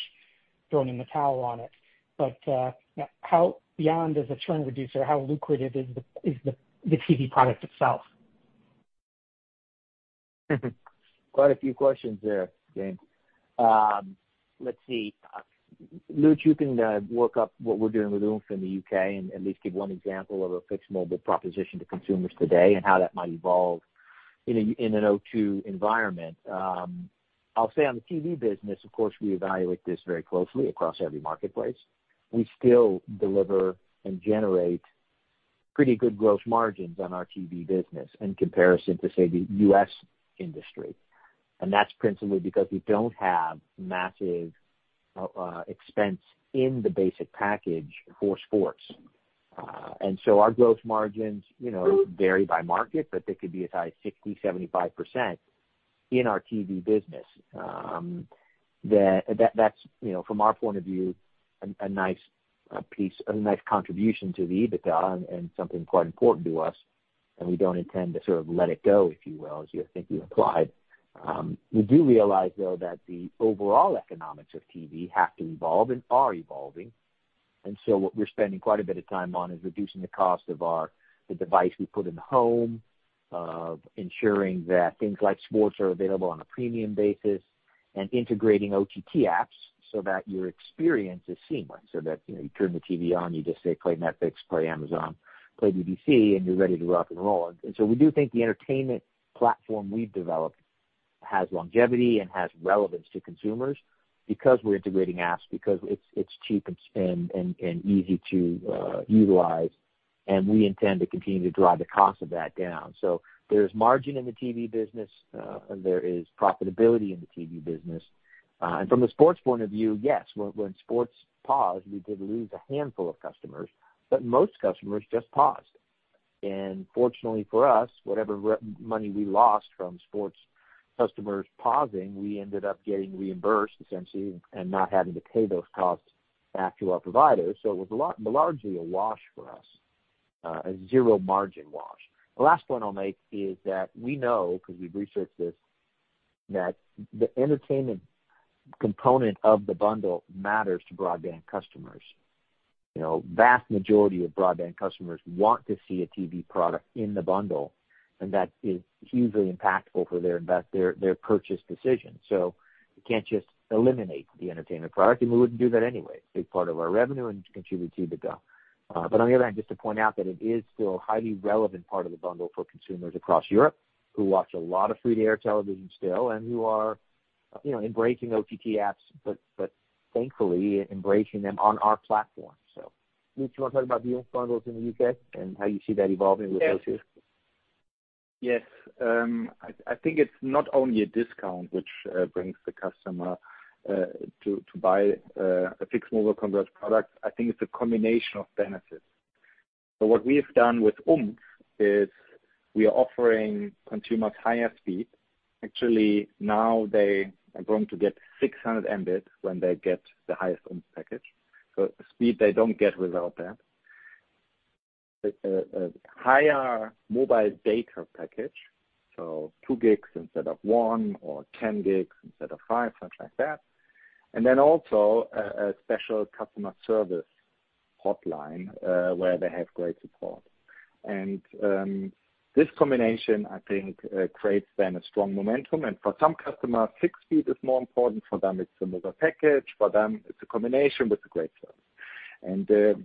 thrown in the towel on it. But, you know, how beyond as a churn reducer, how lucrative is the TV product itself? Mm-hmm. Quite a few questions there, James. Let's see. Lutz, you can work up what we're doing with Oomph in the U.K. and at least give one example of a fixed mobile proposition to consumers today and how that might evolve, you know, in an O2 environment. I'll say on the TV business, of course, we evaluate this very closely across every marketplace. We still deliver and generate pretty good gross margins on our TV business in comparison to, say, the U.S. industry. And that's principally because we don't have massive expense in the basic package for sports. And so our gross margins, you know, vary by market, but they could be as high as 60%-75% in our TV business. That's, you know, from our point of view, a nice piece, a nice contribution to the EBITDA and something quite important to us. And we don't intend to sort of let it go, if you will, as you think you implied. We do realize though that the overall economics of TV have to evolve and are evolving. And so what we're spending quite a bit of time on is reducing the cost of our, the device we put in the home, of ensuring that things like sports are available on a premium basis and integrating OTT apps so that your experience is seamless, so that, you know, you turn the TV on, you just say, "Play Netflix, play Amazon, play BBC," and you're ready to rock and roll. And so we do think the entertainment platform we've developed has longevity and has relevance to consumers because we're integrating apps, because it's cheap and easy to utilize. And we intend to continue to drive the cost of that down. So there's margin in the TV business, there is profitability in the TV business. From the sports point of view, yes, when sports paused, we did lose a handful of customers, but most customers just paused. Fortunately for us, whatever money we lost from sports customers pausing, we ended up getting reimbursed essentially and not having to pay those costs back to our providers. So it was largely a wash for us, a zero margin wash. The last point I'll make is that we know, because we've researched this, that the entertainment component of the bundle matters to broadband customers. You know, vast majority of broadband customers want to see a TV product in the bundle, and that is hugely impactful for their intent to, their purchase decision. So you can't just eliminate the entertainment product, and we wouldn't do that anyway. It's a big part of our revenue and contributes to EBITDA. but on the other hand, just to point out that it is still a highly relevant part of the bundle for consumers across Europe who watch a lot of free-to-air television still and who are, you know, embracing OTT apps, but thankfully embracing them on our platform. So Lutz, you want to talk about the Oomph bundles in the UK and how you see that evolving with O2? Yes. I think it's not only a discount, which brings the customer to buy a fixed mobile converged product. I think it's a combination of benefits. So what we've done with Oomph is we are offering consumers higher speed. Actually, now they are going to get 600 Mbps when they get the highest Oomph package. So the speed they don't get without that. Higher mobile data package, so two gigs instead of one or 10 gigs instead of five, something like that. And then also, a special customer service hotline, where they have great support. This combination, I think, creates a strong momentum. For some customers, fixed speed is more important. For them, it's a mobile package. For them, it's a combination with great service.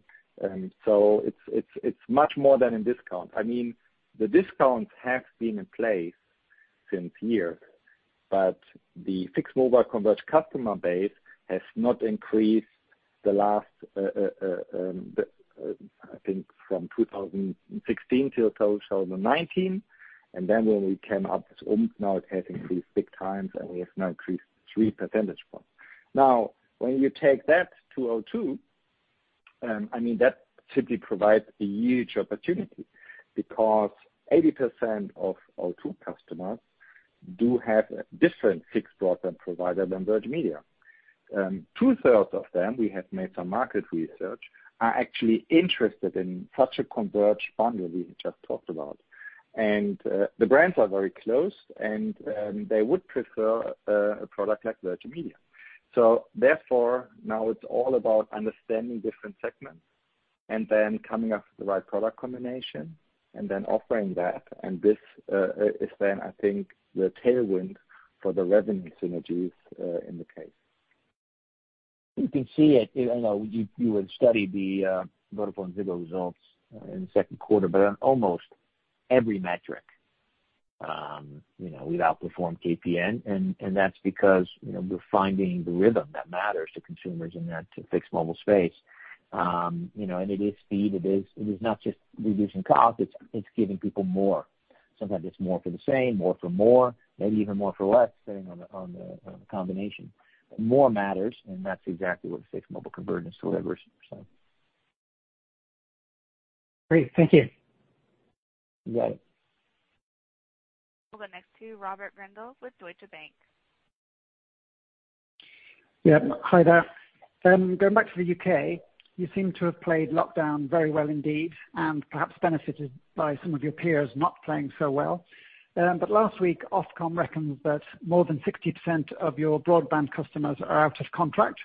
So it's much more than a discount. I mean, the discounts have been in place for years, but the fixed mobile converged customer base has not increased the last, I think from 2016 till 2019. Then when we came up with Oomph, now it has increased big time, and we have now increased three percentage points. Now, when you take that to O2, I mean, that simply provides a huge opportunity because 80% of O2 customers do have a different fixed broadband provider than Virgin Media. Two-thirds of them, we have made some market research, are actually interested in such a converged bundle we just talked about. And, the brands are very close, and, they would prefer, a product like Virgin Media. So therefore, now it's all about understanding different segments and then coming up with the right product combination and then offering that. And this, is then, I think, the tailwind for the revenue synergies, in the case. You can see it, you know, you would study the VodafoneZiggo results in the second quarter, but on almost every metric, you know, we've outperformed KPN. And that's because, you know, we're finding the rhythm that matters to consumers in that fixed mobile space. You know, and it is speed. It is not just reducing costs. It's giving people more. Sometimes it's more for the same, more for more, maybe even more for less, depending on the combination. More matters, and that's exactly what fixed mobile convergence delivers. Great. Thank you. You got it. We'll go next to Robert Grindle with Deutsche Bank. Yeah. Hi, there. Going back to the U.K., you seem to have played lockdown very well indeed and perhaps benefited by some of your peers not playing so well. But last week, Ofcom reckons that more than 60% of your broadband customers are out of contract.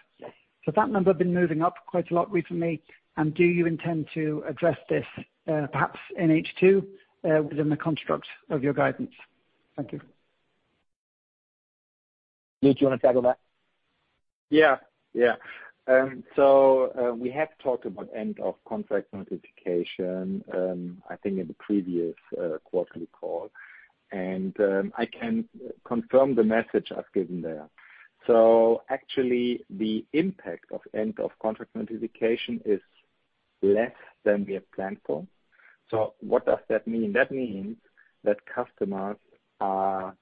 So that number has been moving up quite a lot recently. Do you intend to address this, perhaps in H2, within the construct of your guidance? Thank you. Lutz, you want to tag on that? Yeah. Yeah. We have talked about end-of-contract notification, I think in the previous quarterly call. I can confirm the message I've given there. Actually, the impact of end-of-contract notification is less than we had planned for. What does that mean? That means that customers are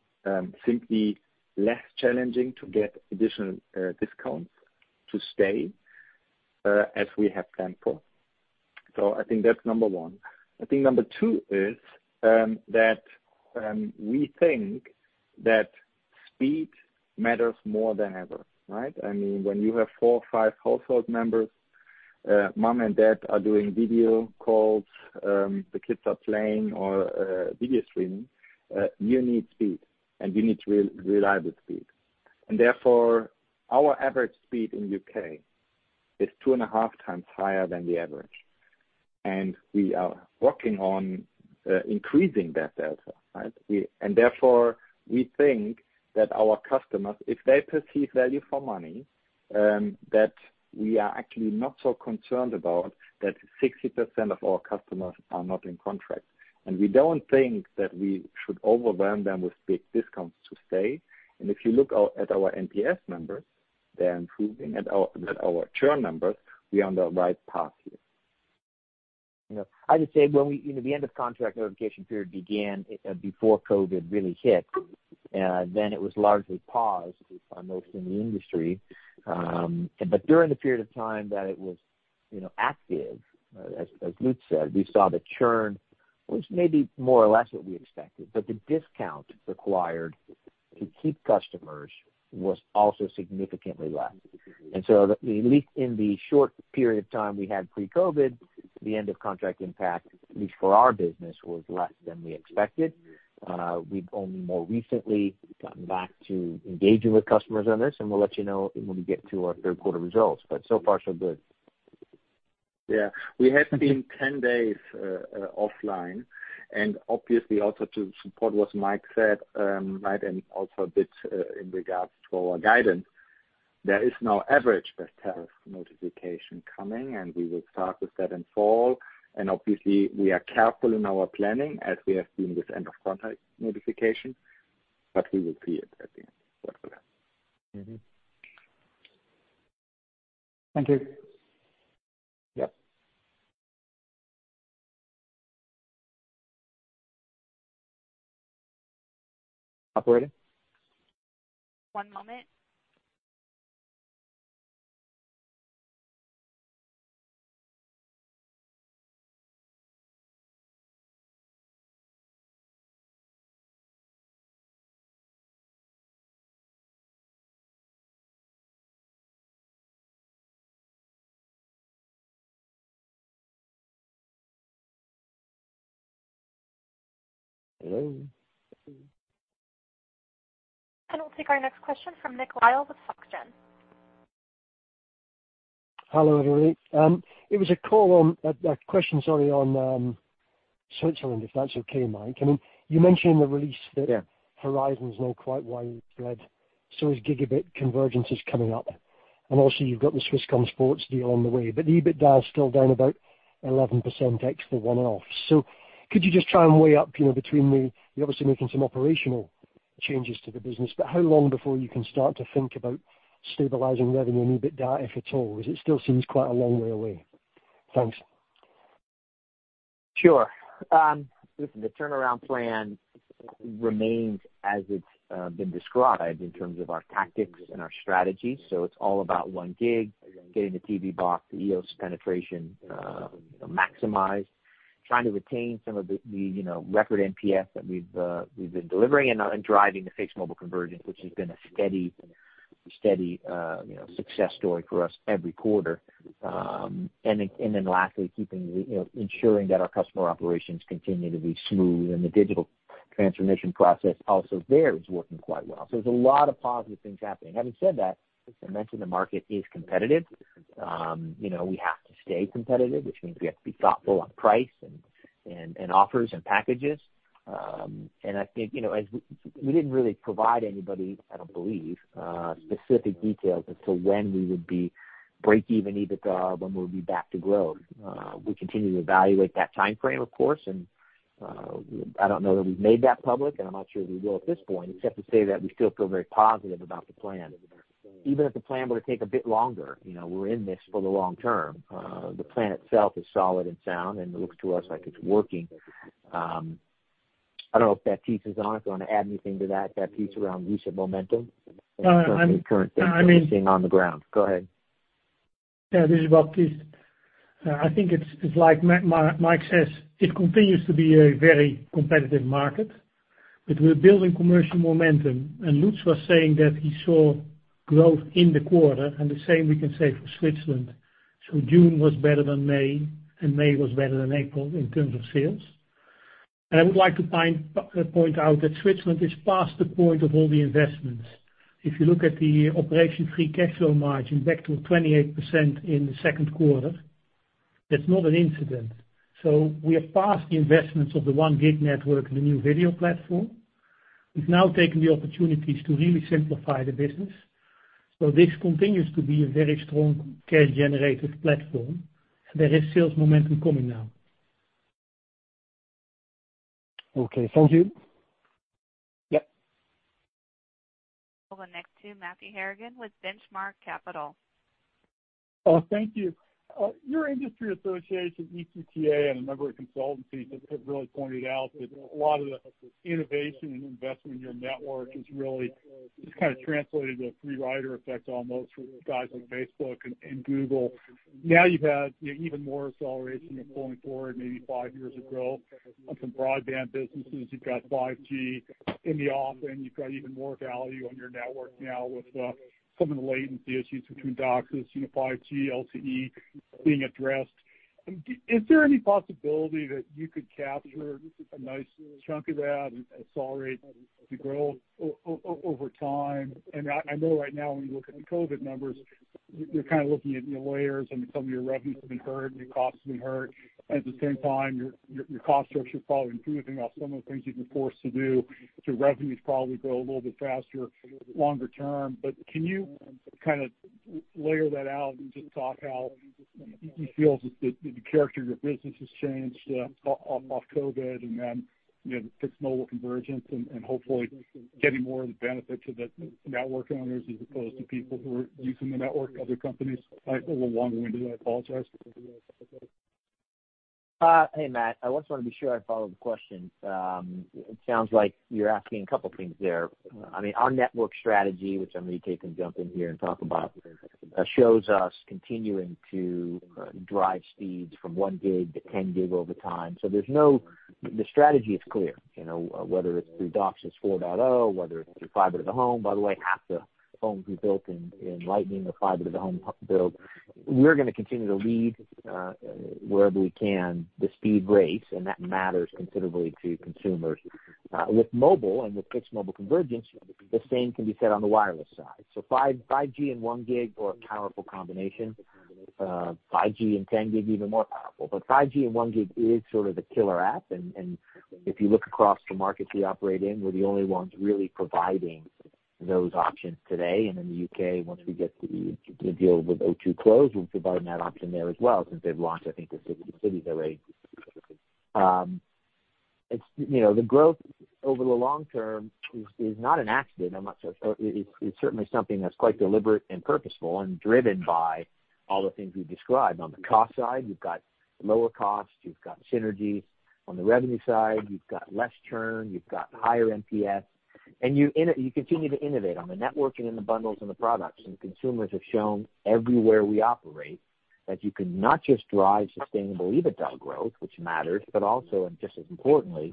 simply less challenging to get additional discounts to stay, as we had planned for. I think that's number one. I think number two is that we think that speed matters more than ever, right? I mean, when you have four or five household members, mom and dad are doing video calls, the kids are playing or video streaming, you need speed and you need reliable speed. And therefore, our average speed in the U.K. is two and a half times higher than the average. And we are working on increasing that delta, right? We, and therefore, we think that our customers, if they perceive value for money, that we are actually not so concerned about that 60% of our customers are not in contract. And we don't think that we should overwhelm them with big discounts to stay. And if you look at our NPS numbers, they're improving, and our churn numbers. We are on the right path here. Yeah. I would say when we, you know, the end-of-contract notification period began, before COVID really hit, then it was largely paused by most in the industry. But during the period of time that it was, you know, active, as Lutz said, we saw the churn, which may be more or less what we expected, but the discount required to keep customers was also significantly less. And so at least in the short period of time we had pre-COVID, the end-of-contract impact, at least for our business, was less than we expected. We've only more recently gotten back to engaging with customers on this. And we'll let you know when we get to our third quarter results. But so far, so good. Yeah. We have been 10 days offline. And obviously, also to support what Mike said, right, and also a bit, in regards to our guidance, there is now Average Best Tariff Notification coming, and we will start with that in fall. And obviously, we are careful in our planning as we have been with end-of-contract notification, but we will see it at the end. That's what I'm saying. Mm-hmm. Thank you. Yep. Operator? One moment. Hello. I'll take our next question from Nick Lyall with Société Générale. Hello, everybody. It was a question, sorry, on Switzerland, if that's okay, Mike. I mean, you mentioned in the release that. Yeah. Horizon's not quite widespread, so gigabit convergence is coming up. And also, you've got the Swisscom Sports deal on the way, but the EBITDA is still down about 11%, ex the one-off. So could you just try and weigh up, you know, between the, you're obviously making some operational changes to the business, but how long before you can start to think about stabilizing revenue and EBITDA, if at all, because it still seems quite a long way away? Thanks. Sure. Listen, the turnaround plan remains as it's been described in terms of our tactics and our strategy. So it's all about 1 gig, getting the TV box, the EOS penetration maximized, trying to retain some of the, you know, record NPS that we've been delivering and driving the fixed mobile convergence, which has been a steady, you know, success story for us every quarter and then lastly keeping, you know, ensuring that our customer operations continue to be smooth and the digital transformation process also there is working quite well. So there's a lot of positive things happening. Having said that, as I mentioned, the market is competitive. You know, we have to stay competitive, which means we have to be thoughtful on price and offers and packages, and I think, you know, as we didn't really provide anybody, I don't believe, specific details as to when we would be break-even EBITDA, when we would be back to growth. We continue to evaluate that timeframe, of course, and I don't know that we've made that public, and I'm not sure we will at this point, except to say that we still feel very positive about the plan. Even if the plan were to take a bit longer, you know, we're in this for the long term. The plan itself is solid and sound, and it looks to us like it's working. I don't know if Baptiest is on it. Do you want to add anything to that, Baptiest, around recent momentum and current things that we're seeing on the ground? Go ahead. Yeah. This is Baptiest. I think it's like Mike says. It continues to be a very competitive market, but we're building commercial momentum. And Lutz was saying that he saw growth in the quarter, and the same we can say for Switzerland. So June was better than May, and May was better than April in terms of sales. And I would like to point out that Switzerland is past the point of all the investments. If you look at the operating free cash flow margin back to 28% in the second quarter, that's not an incident. So we have passed the investments of the 1 gig network and the new video platform. We've now taken the opportunities to really simplify the business. So this continues to be a very strong cash-generative platform, and there is sales momentum coming now. Okay. Thank you. Yep. We'll go next to Matthew Harrigan with Benchmark Capital. Oh, thank you. Your industry association, ETNO, and a number of consultancies have really pointed out that a lot of the innovation and investment in your network is really just kind of translated to a free rider effect almost for guys like Facebook and, and Google. Now you've had, you know, even more acceleration of pulling forward maybe five years ago on some broadband businesses. You've got 5G in the offing. You've got even more value on your network now with, some of the latency issues between DOCSIS, you know, 5G, LTE being addressed. Is there any possibility that you could capture a nice chunk of that and accelerate the growth over time? And I know right now when you look at the COVID numbers, you're kind of looking at, you know, layers and some of your revenues have been hurt and your costs have been hurt. And at the same time, your cost structure is probably improving off some of the things you've been forced to do. So revenues probably grow a little bit faster longer term. But can you kind of layer that out and just talk how you feel that the character of your business has changed, off COVID and then, you know, the fixed mobile convergence and hopefully getting more of the benefits of the network owners as opposed to people who are using the network, other companies? I'm a little long-winded. I apologize. Hey, Matt. I just want to be sure I followed the question. It sounds like you're asking a couple of things there. I mean, our network strategy, which I'm going to take and jump in here and talk about, shows us continuing to drive speeds from 1 gig to 10 gig over time. So the strategy is clear, you know, whether it's through DOCSIS 4.0, whether it's through Fiber to the Home. By the way, half the homes we built in Lightning or Fiber to the Home build. We're going to continue to lead, wherever we can, the speed race, and that matters considerably to consumers. With mobile and with fixed mobile convergence, the same can be said on the wireless side. So 5G and 1 gig are a powerful combination. 5G and 10 gig are even more powerful. But 5G and 1 gig is sort of the killer app. And, and if you look across the markets we operate in, we're the only ones really providing those options today. And in the U.K., once we get the, the deal with O2 closed, we'll be providing that option there as well since they've launched, I think, the 60 cities already. It's, you know, the growth over the long term is, is not an accident. I'm not sure. Or it's, it's certainly something that's quite deliberate and purposeful and driven by all the things we've described. On the cost side, you've got lower costs. You've got synergies. On the revenue side, you've got less churn. You've got higher NPS. And you innovate, you continue to innovate on the network and in the bundles and the products. Consumers have shown everywhere we operate that you can not just drive sustainable EBITDA growth, which matters, but also, and just as importantly,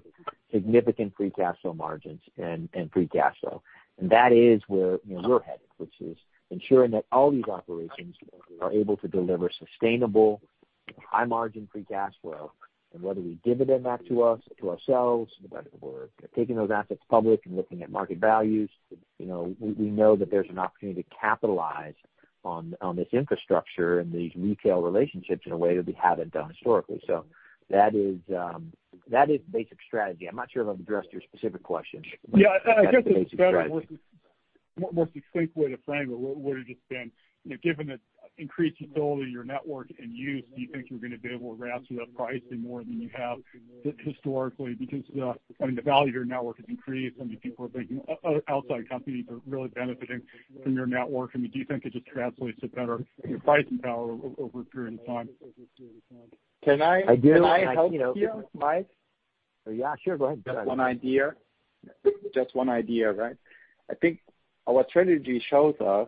significant free cash flow margins and, and free cash flow. That is where, you know, we're headed, which is ensuring that all these operations are able to deliver sustainable, high-margin free cash flow. Whether we dividend that to us, to ourselves, whether we're taking those assets public and looking at market values, you know, we, we know that there's an opportunity to capitalize on, on this infrastructure and these retail relationships in a way that we haven't done historically. So that is, that is basic strategy. I'm not sure if I've addressed your specific question, but. Yeah. I guess that's a very more sophisticated way to frame it. What would it have just been, you know, given the increased utility of your network and use? Do you think you're going to be able to grasp that pricing more than you have historically? Because, I mean, the value of your network has increased. I mean, people are thinking outside companies are really benefiting from your network. I mean, do you think it just translates to better, you know, pricing power over a period of time? Can I? I do. Can I help you out, Mike? Yeah. Sure. Go ahead. Just one idea. Just one idea, right? I think our strategy shows us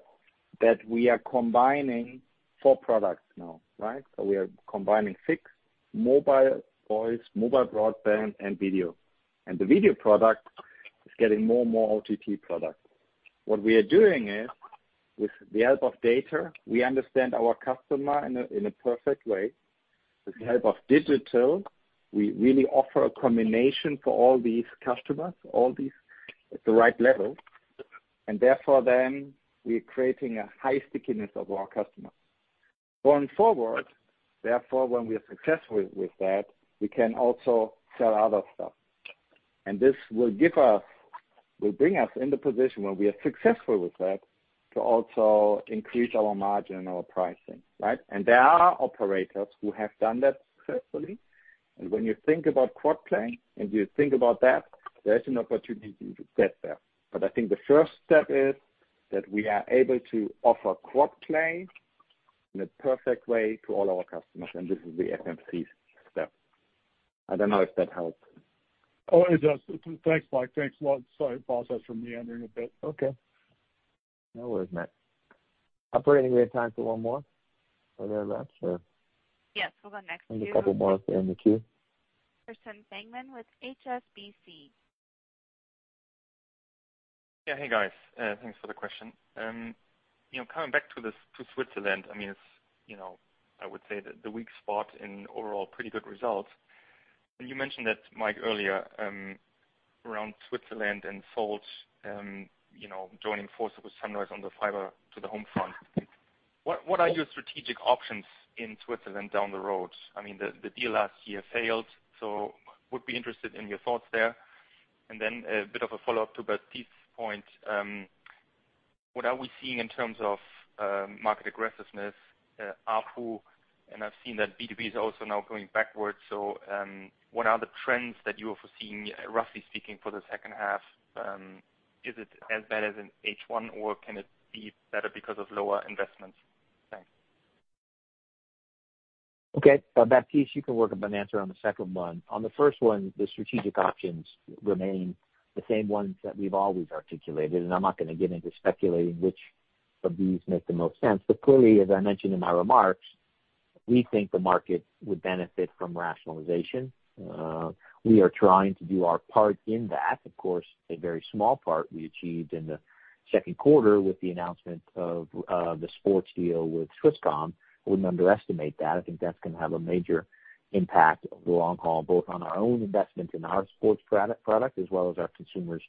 that we are combining four products now, right? So we are combining fixed, mobile voice, mobile broadband, and video. And the video product is getting more and more OTT product. What we are doing is, with the help of data, we understand our customer in a perfect way. With the help of digital, we really offer a combination for all these customers, all these at the right level, and therefore, then we are creating a high stickiness of our customers. Going forward, therefore, when we are successful with that, we can also sell other stuff, and this will give us, will bring us in the position where we are successful with that to also increase our margin and our pricing, right? There are operators who have done that successfully, and when you think about quad play, and you think about that, there's an opportunity to get there, but I think the first step is that we are able to offer quad play in a perfect way to all our customers, and this is the FMC step. I don't know if that helps. Oh, it does. Thanks, Mike. Thanks. Sorry to pause us from meandering a bit. Okay. No worries, Matt. Operator, we have time for one more? Are there lots or? Yes. We'll go next. You have a couple more up there in the queue. Christian Fangmann with HSBC. Yeah. Hey, guys. Thanks for the question. You know, coming back to this, to Switzerland, I mean, it's, you know, I would say that the weak spot in overall pretty good results. And you mentioned that, Mike, earlier, around Switzerland and Salt, you know, joining forces with Sunrise on the fiber to the home front. What are your strategic options in Switzerland down the road? I mean, the deal last year failed, so I would be interested in your thoughts there. And then a bit of a follow-up to Baptiest's point, what are we seeing in terms of market aggressiveness? ARPU, and I've seen that B2B is also now going backwards. So, what are the trends that you're foreseeing, roughly speaking, for the second half? Is it as bad as in H1, or can it be better because of lower investments? Thanks. Okay. Baptiest, you can work up an answer on the second one. On the first one, the strategic options remain the same ones that we've always articulated. And I'm not going to get into speculating which of these make the most sense. But clearly, as I mentioned in my remarks, we think the market would benefit from rationalization. We are trying to do our part in that. Of course, a very small part we achieved in the second quarter with the announcement of the sports deal with Swisscom. I wouldn't underestimate that. I think that's going to have a major impact long haul, both on our own investments and our sports product, as well as our consumers,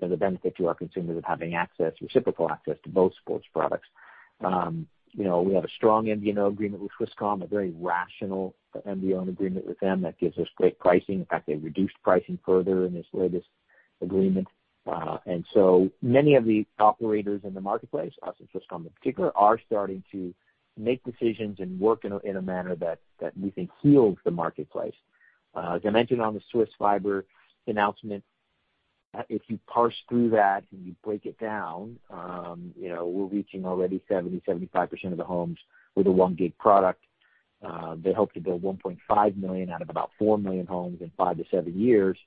and the benefit to our consumers of having access, reciprocal access to both sports products. You know, we have a strong MVNO agreement with Swisscom, a very rational MVNO agreement with them that gives us great pricing. In fact, they reduced pricing further in this latest agreement. And so many of the operators in the marketplace, us and Swisscom in particular, are starting to make decisions and work in a manner that we think heals the marketplace. As I mentioned on the Swiss fiber announcement, if you parse through that and you break it down, you know, we're reaching already 70%-75% of the homes with a 1 gig product. They hope to build 1.5 million out of about 4 million homes in five to seven years,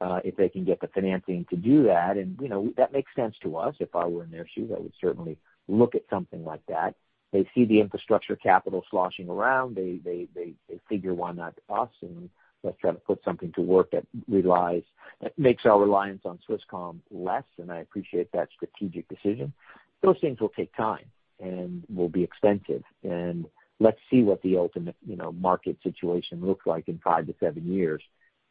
if they can get the financing to do that. And, you know, that makes sense to us. If I were in their shoes, I would certainly look at something like that. They see the infrastructure capital sloshing around. They figure, "Why not us?" And let's try to put something to work that relies that makes our reliance on Swisscom less. And I appreciate that strategic decision. Those things will take time and will be expensive. And let's see what the ultimate, you know, market situation looks like in five to seven years.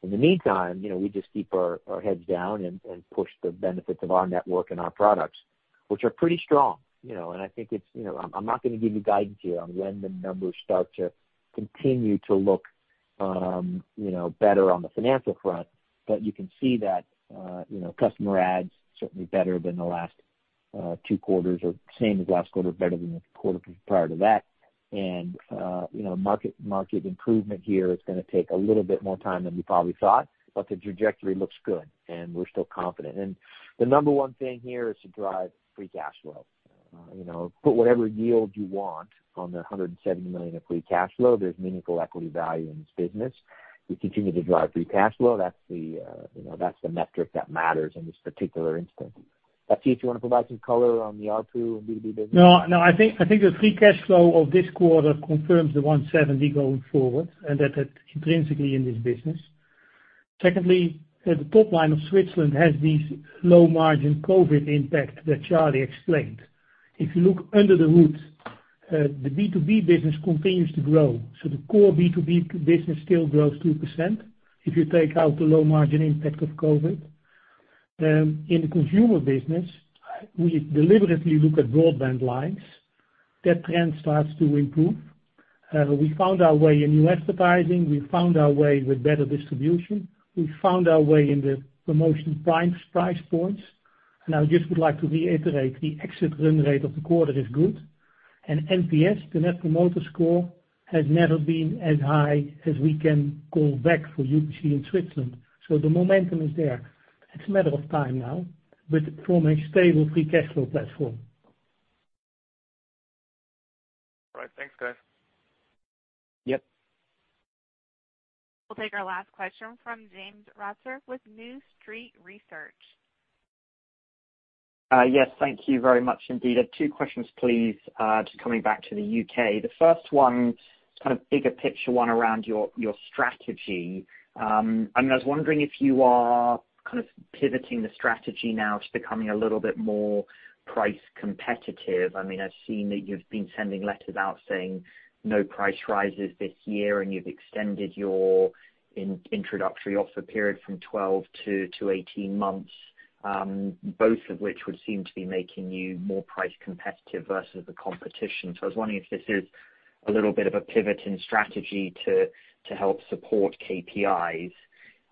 In the meantime, you know, we just keep our heads down and push the benefits of our network and our products, which are pretty strong, you know. And I think it's, you know, I'm not going to give you guidance here on when the numbers start to continue to look, you know, better on the financial front. But you can see that, you know, customer adds certainly better than the last two quarters or same as last quarter, better than the quarter prior to that. And, you know, market improvement here is going to take a little bit more time than we probably thought. But the trajectory looks good, and we're still confident. And the number one thing here is to drive free cash flow. You know, put whatever yield you want on the $170 million of free cash flow. There's meaningful equity value in this business. We continue to drive free cash flow. That's the, you know, that's the metric that matters in this particular instance. Baptiest, do you want to provide some color on the ARPU and B2B business? No, no. I think, I think the free cash flow of this quarter confirms the $170 million going forward and that it's intrinsically in this business. Secondly, the top line of Switzerland has these low-margin COVID impacts that Charlie explained. If you look under the hood, the B2B business continues to grow. So the core B2B business still grows 2% if you take out the low-margin impact of COVID. In the consumer business, we deliberately look at broadband lines. That trend starts to improve. We found our way in new advertising. We found our way with better distribution. We found our way in the promotion price points. And I just would like to reiterate the exit run rate of the quarter is good. And NPS, the net promoter score, has never been as high as we can call back for UPC in Switzerland. So the momentum is there. It's a matter of time now with forming stable free cash flow platform. All right. Thanks, guys. Yep. We'll take our last question from James Ratzer with New Street Research. Yes. Thank you very much indeed. I have two questions, please, just coming back to the U.K. The first one is kind of bigger picture one around your strategy. I mean, I was wondering if you are kind of pivoting the strategy now to becoming a little bit more price competitive. I mean, I've seen that you've been sending letters out saying no price rises this year, and you've extended your introductory offer period from 12 to 18 months, both of which would seem to be making you more price competitive versus the competition. So I was wondering if this is a little bit of a pivot in strategy to help support KPIs,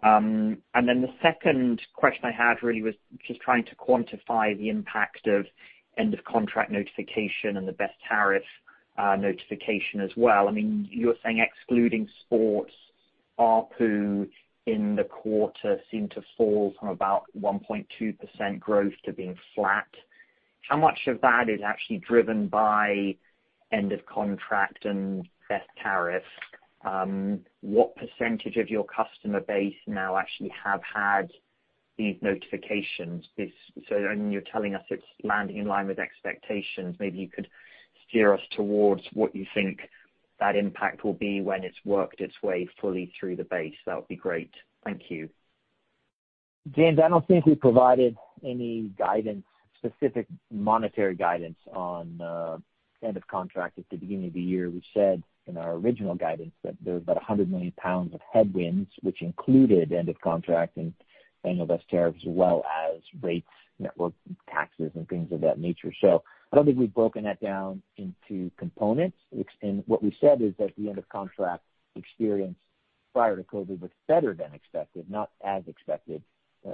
and then the second question I had really was just trying to quantify the impact of end-of-contract notification and the best tariff notification as well. I mean, you were saying excluding sports, ARPU in the quarter seemed to fall from about 1.2% growth to being flat. How much of that is actually driven by end-of-contract and best tariff? What percentage of your customer base now actually have had these notifications? So I mean, you're telling us it's landing in line with expectations. Maybe you could steer us towards what you think that impact will be when it's worked its way fully through the base. That would be great. Thank you. James, I don't think we provided any guidance, specific monetary guidance on end-of-contract at the beginning of the year. We said in our original guidance that there was about 100 million pounds of headwinds, which included end-of-contract and annual best tariffs, as well as rates, network taxes, and things of that nature. So I don't think we've broken that down into components. Which in what we said is that the end-of-contract experience prior to COVID was better than expected, not as expected,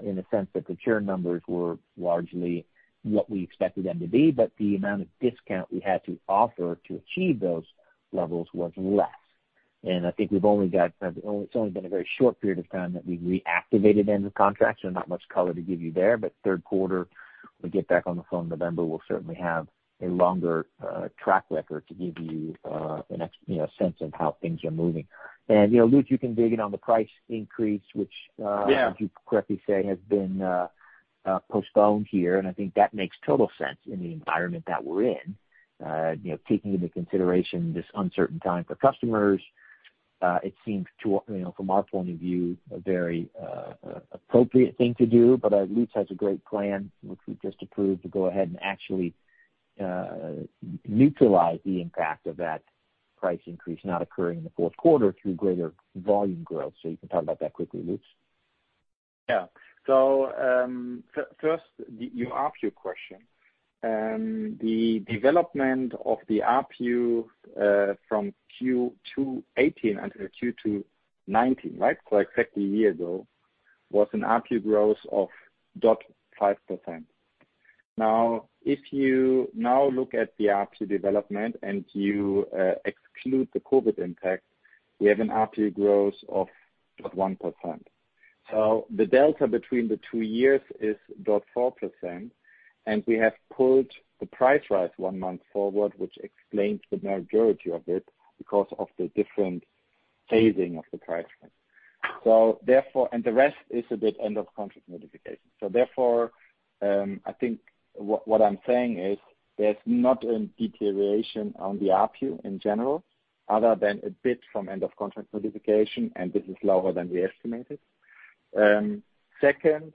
in the sense that the churn numbers were largely what we expected them to be. But the amount of discount we had to offer to achieve those levels was less. And I think we've only got kind of only it's only been a very short period of time that we've reactivated end-of-contracts. So not much color to give you there. But third quarter, when we get back on the phone in November, we'll certainly have a longer track record to give you, you know, a sense of how things are moving. And, you know, Lutz, you can dig in on the price increase, which, yeah, did you correctly say has been postponed here? And I think that makes total sense in the environment that we're in. You know, taking into consideration this uncertain time for customers, it seemed to, you know, from our point of view, a very appropriate thing to do. But Lutz has a great plan, which we just approved, to go ahead and actually neutralize the impact of that price increase not occurring in the fourth quarter through greater volume growth. So you can talk about that quickly, Lutz. Yeah. So, first, you asked your question. the development of the ARPU, from Q2 2018 until Q2 2019, right? So exactly a year ago, was an ARPU growth of 0.5%. Now, if you now look at the ARPU development and you exclude the COVID impact, we have an ARPU growth of 0.1%. So the delta between the two years is 0.4%. And we have pulled the price rise one month forward, which explains the majority of it because of the different phasing of the price rise. So therefore and the rest is a bit end-of-contract notification. So therefore, I think what, what I'm saying is there's not a deterioration on the ARPU in general other than a bit from end-of-contract notification, and this is lower than we estimated. Second,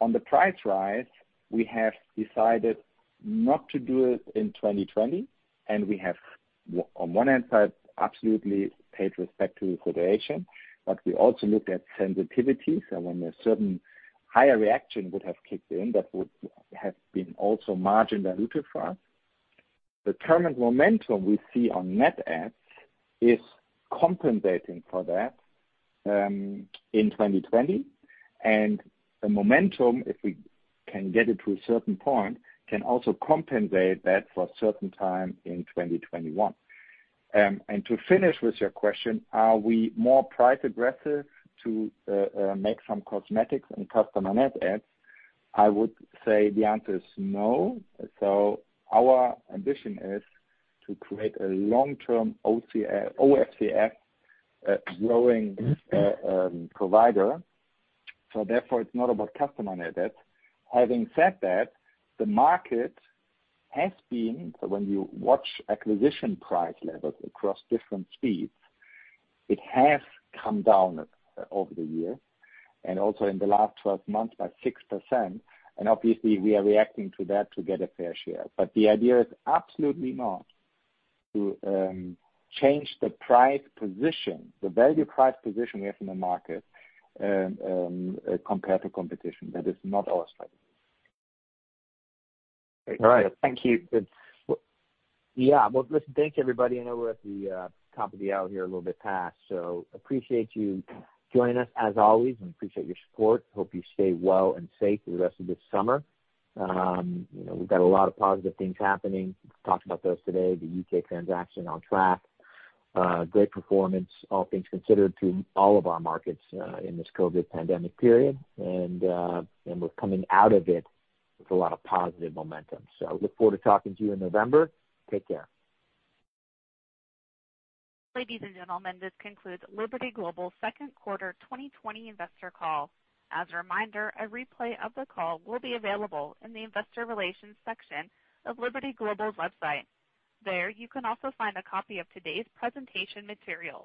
on the price rise, we have decided not to do it in 2020. And we have, on the one hand, absolutely paid respect to the situation. We also looked at sensitivity. So when a certain higher reaction would have kicked in, that would have been also margin diluted for us. The current momentum we see on net adds is compensating for that in 2020, and the momentum, if we can get it to a certain point, can also compensate that for a certain time in 2021. To finish with your question, are we more price aggressive to make some cosmetics and customer net adds? I would say the answer is no. Our ambition is to create a long-term OFCF growing provider. So therefore, it is not about customer net adds. Having said that, the market has been, so when you watch acquisition price levels across different speeds, it has come down over the years, and also in the last 12 months by 6%. And obviously, we are reacting to that to get a fair share. But the idea is absolutely not to change the price position, the value price position we have in the market, compared to competition. That is not our strategy. All right. Thank you. It's, well, yeah. Well, listen, thank you, everybody. I know we're at the top of the hour here, a little bit past. So appreciate you joining us as always. And we appreciate your support. Hope you stay well and safe for the rest of this summer. You know, we've got a lot of positive things happening. We talked about those today, the UK transaction on track, great performance, all things considered to all of our markets, in this COVID pandemic period. And we're coming out of it with a lot of positive momentum. So look forward to talking to you in November. Take care. Ladies and gentlemen, this concludes Liberty Global's second quarter 2020 investor call. As a reminder, a replay of the call will be available in the investor relations section of Liberty Global's website. There, you can also find a copy of today's presentation material.